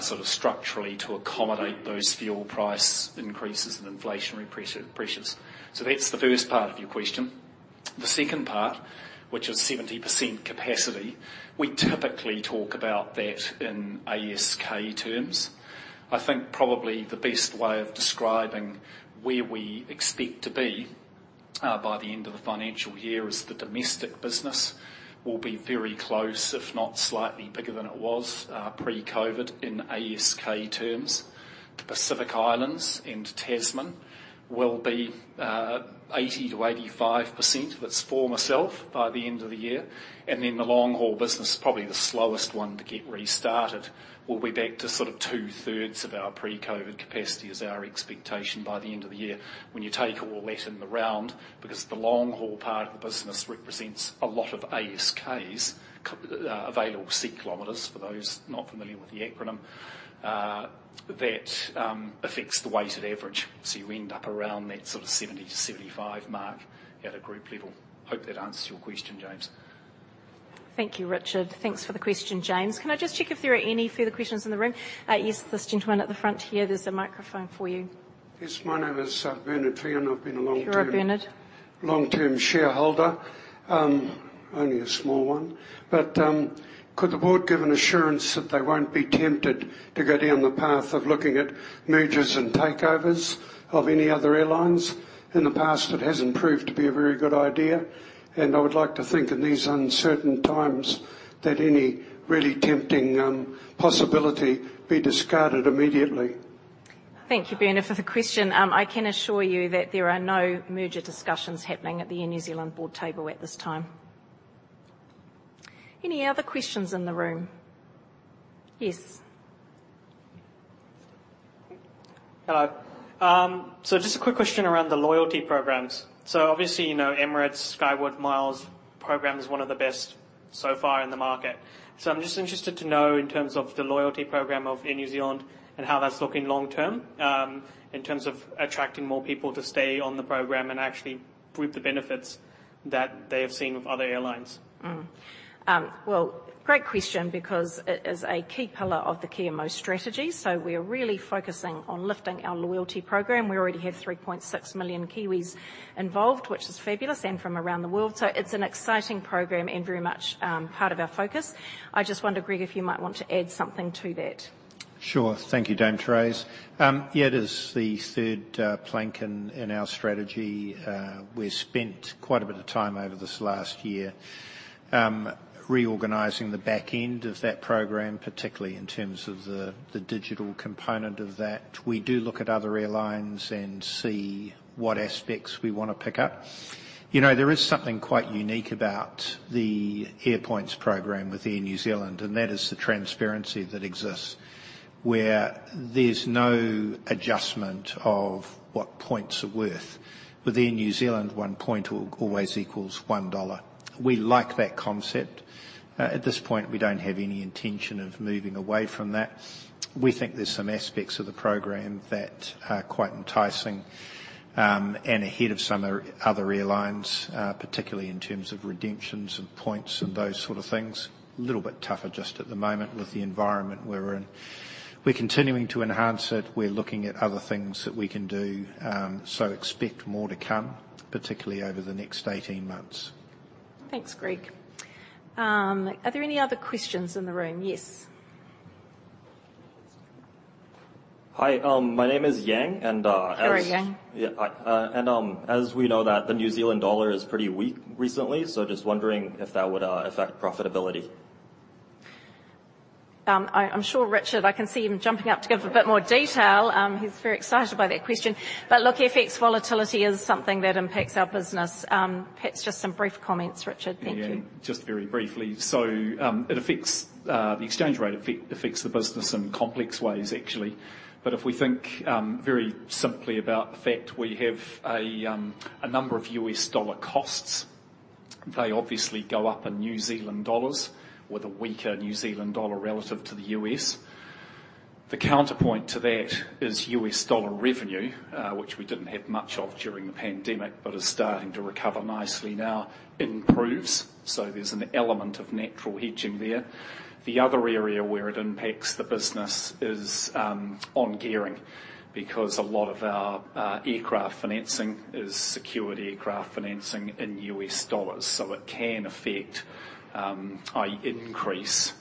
sort of structurally to accommodate those fuel price increases and inflationary pressures. That's the first part of your question. The second part, which is 70% capacity, we typically talk about that in ASK terms. I think probably the best way of describing where we expect to be by the end of the financial year is the domestic business will be very close, if not slightly bigger than it was pre-COVID in ASK terms. The Pacific Islands and Tasman will be 80%-85% of its former self by the end of the year. Then the long-haul business, probably the slowest one to get restarted, will be back to sort of two-thirds of our pre-COVID capacity, is our expectation by the end of the year. When you take all that in the round, because the long-haul part of the business represents a lot of ASKs, available seat kilometers for those not familiar with the acronym, that affects the weighted average. You end up around that sort of 70-75 mark at a group level. Hope that answers your question, James. Thank you, Richard. Thanks for the question, James. Can I just check if there are any further questions in the room? Yes, this gentleman at the front here. There's a microphone for you. Yes, my name is, Bernard Feehan. I've been a long-term- Kia ora, Bernard.... long-term shareholder. Only a small one. Could the board give an assurance that they won't be tempted to go down the path of looking at mergers and takeovers of any other airlines? In the past, it hasn't proved to be a very good idea, and I would like to think in these uncertain times that any really tempting possibility be discarded immediately. Thank you, Bernard, for the question. I can assure you that there are no merger discussions happening at the Air New Zealand board table at this time. Any other questions in the room? Yes. Hello. Just a quick question around the loyalty programs. Obviously, you know, Emirates Skywards. Program is one of the best so far in the market. I'm just interested to know in terms of the loyalty program of Air New Zealand and how that's looking long-term, in terms of attracting more people to stay on the program and actually reap the benefits that they have seen with other airlines. Well, great question because it is a key pillar of the Kia Mau strategy. We're really focusing on lifting our loyalty program. We already have 3.6 million Kiwis involved, which is fabulous, and from around the world. It's an exciting program and very much part of our focus. I just wonder, Greg, if you might want to add something to that. Sure. Thank you, Dame Therese. It is the third plank in our strategy. We spent quite a bit of time over this last year reorganizing the back end of that program, particularly in terms of the digital component of that. We do look at other airlines and see what aspects we wanna pick up. You know, there is something quite unique about the Airpoints program with Air New Zealand, and that is the transparency that exists, where there's no adjustment of what points are worth. With Air New Zealand, 1 point always equals 1 dollar. We like that concept. At this point, we don't have any intention of moving away from that. We think there's some aspects of the program that are quite enticing, and ahead of some other airlines, particularly in terms of redemptions of points and those sort of things. Little bit tougher just at the moment with the environment we're in. We're continuing to enhance it. We're looking at other things that we can do. Expect more to come, particularly over the next 18 months. Thanks, Greg. Are there any other questions in the room? Yes. Hi. My name is Yang, and Sorry, Yang. As we know that the New Zealand dollar is pretty weak recently, so just wondering if that would affect profitability. I'm sure, Richard, I can see him jumping up to give a bit more detail. He's very excited by that question. Look, FX volatility is something that impacts our business. Perhaps just some brief comments, Richard. Thank you. Yeah. Just very briefly. The exchange rate affects the business in complex ways, actually. If we think very simply about the fact we have a number of U.S. dollar costs, they obviously go up in New Zealand dollars with a weaker New Zealand dollar relative to the U.S. The counterpoint to that is U.S. dollar revenue, which we didn't have much of during the pandemic, but is starting to recover nicely now, improves. There's an element of natural hedging there. The other area where it impacts the business is on gearing, because a lot of our aircraft financing is secured aircraft financing in U.S. dollars. It can affect, i.e., increase,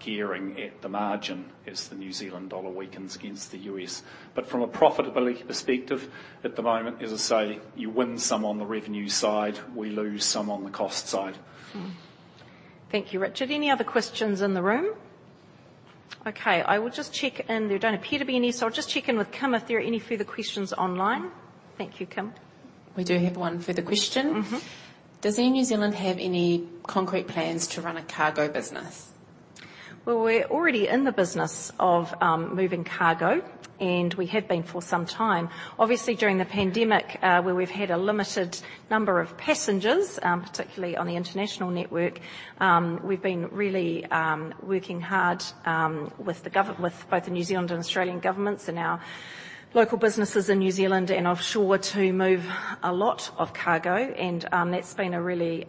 gearing at the margin as the New Zealand dollar weakens against the U.S. From a profitability perspective, at the moment, as I say, you win some on the revenue side, we lose some on the cost side. Thank you, Richard. Any other questions in the room? Okay, I will just check in. There don't appear to be any, so I'll just check in with Kim if there are any further questions online. Thank you, Kim. We do have one further question. Mm-hmm. Does Air New Zealand have any concrete plans to run a cargo business? Well, we're already in the business of moving cargo, and we have been for some time. Obviously, during the pandemic, where we've had a limited number of passengers, particularly on the international network, we've been really working hard with both the New Zealand and Australian governments and our local businesses in New Zealand and offshore to move a lot of cargo. That's been a really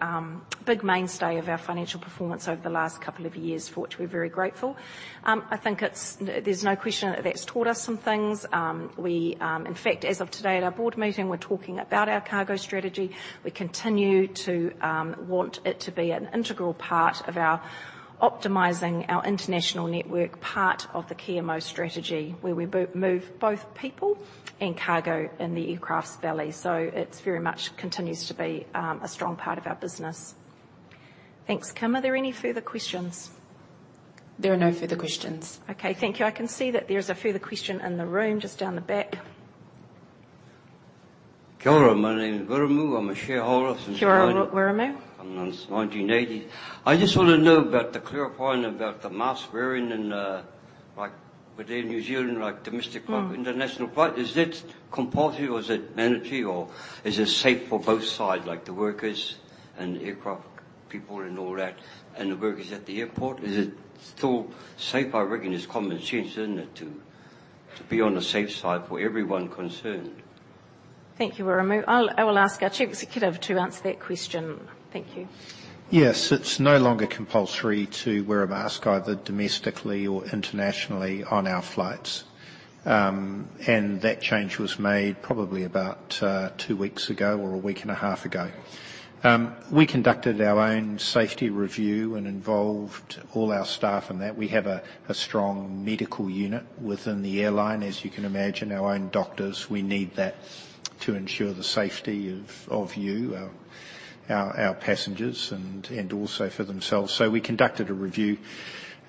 big mainstay of our financial performance over the last couple of years, for which we're very grateful. I think it's. There's no question that's taught us some things. In fact, as of today at our board meeting, we're talking about our cargo strategy. We continue to want it to be an integral part of our optimizing our international network, part of the CMO strategy, where we move both people and cargo in the aircraft's belly. It's very much continues to be a strong part of our business. Thanks, Kim. Are there any further questions? There are no further questions. Okay, thank you. I can see that there's a further question in the room, just down the back. Kia ora. My name is Wiramu. I'm a shareholder. Kia ora, Wiramu. ... since 1980. I just wanna know about the clarification about the mask wearing and, like with Air New Zealand, like domestic- Mm or international flight. Is it compulsory or is it mandatory, or is it safe for both sides, like the workers and aircraft people and all that, and the workers at the airport? Is it still safe? I reckon it's common sense, isn't it, to be on the safe side for everyone concerned. Thank you, Wiramu. I will ask our chief executive to answer that question. Thank you. Yes. It's no longer compulsory to wear a mask either domestically or internationally on our flights. That change was made probably about two weeks ago or a week and a half ago. We conducted our own safety review and involved all our staff in that. We have a strong medical unit within the airline. As you can imagine, our own doctors, we need that to ensure the safety of you, our passengers and also for themselves. We conducted a review,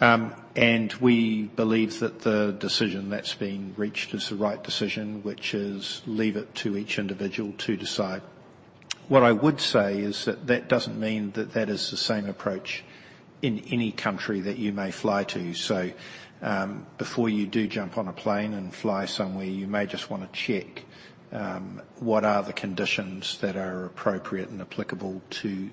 and we believe that the decision that's been reached is the right decision, which is leave it to each individual to decide. What I would say is that that doesn't mean that that is the same approach in any country that you may fly to. Before you do jump on a plane and fly somewhere, you may just wanna check what are the conditions that are appropriate and applicable to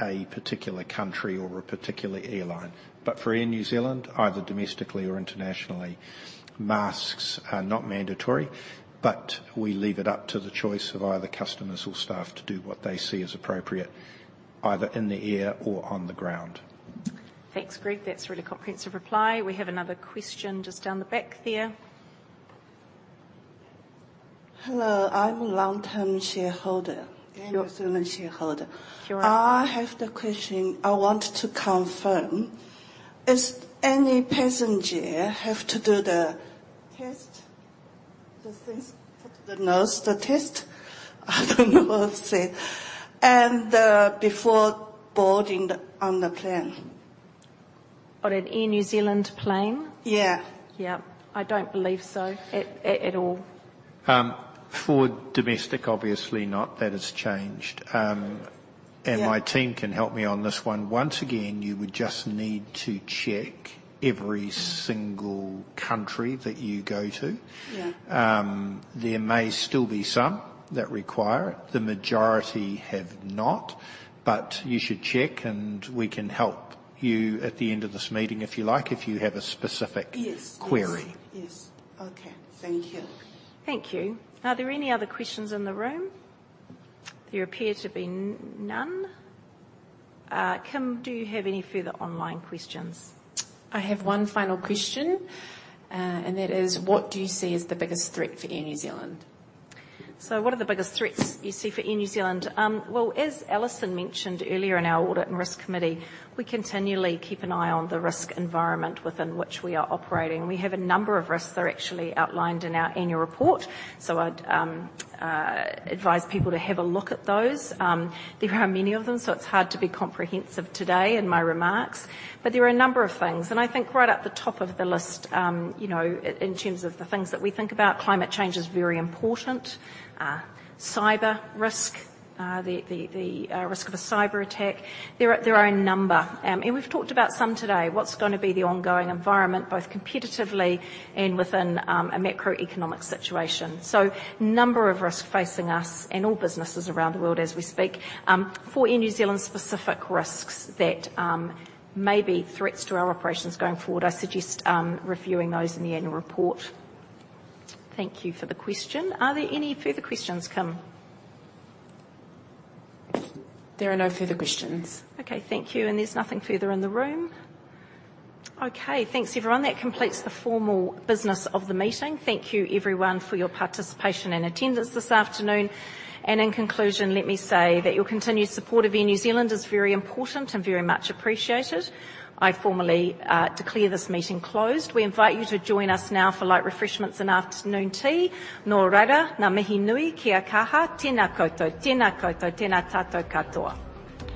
a particular country or a particular airline. For Air New Zealand, either domestically or internationally, masks are not mandatory, but we leave it up to the choice of either customers or staff to do what they see as appropriate, either in the air or on the ground. Thanks, Greg. That's a really comprehensive reply. We have another question just down the back there. Hello, I'm a long-term shareholder. Sure. Air New Zealand shareholder. Sure. I have the question I want to confirm. Is any passenger have to do the test, the things, the nose, the test? I don't know what to say. Before boarding on the plane. On an Air New Zealand plane? Yeah. Yeah. I don't believe so at all. For domestic, obviously not. That has changed. Yeah. My team can help me on this one. Once again, you would just need to check every single country that you go to. Yeah. There may still be some that require it. The majority have not, but you should check, and we can help you at the end of this meeting if you like, if you have a specific. Yes. -query. Yes. Yes. Okay, thank you. Thank you. Are there any other questions in the room? There appear to be none. Kim, do you have any further online questions? I have one final question. That is, what do you see as the biggest threat for Air New Zealand? What are the biggest threats you see for Air New Zealand? As Alison mentioned earlier in our Audit and Risk Committee, we continually keep an eye on the risk environment within which we are operating. We have a number of risks that are actually outlined in our annual report, so I'd advise people to have a look at those. There are many of them, so it's hard to be comprehensive today in my remarks. There are a number of things. I think right at the top of the list, you know, in terms of the things that we think about, climate change is very important. Cyber risk, the risk of a cyberattack. There are a number. We've talked about some today. What's gonna be the ongoing environment, both competitively and within, a macroeconomic situation. Number of risks facing us and all businesses around the world as we speak. For Air New Zealand's specific risks that may be threats to our operations going forward, I suggest reviewing those in the annual report. Thank you for the question. Are there any further questions, Kim? There are no further questions. Okay, thank you. There's nothing further in the room. Okay, thanks, everyone. That completes the formal business of the meeting. Thank you, everyone, for your participation and attendance this afternoon. In conclusion, let me say that your continued support of Air New Zealand is very important and very much appreciated. I formally declare this meeting closed. We invite you to join us now for light refreshments and afternoon tea.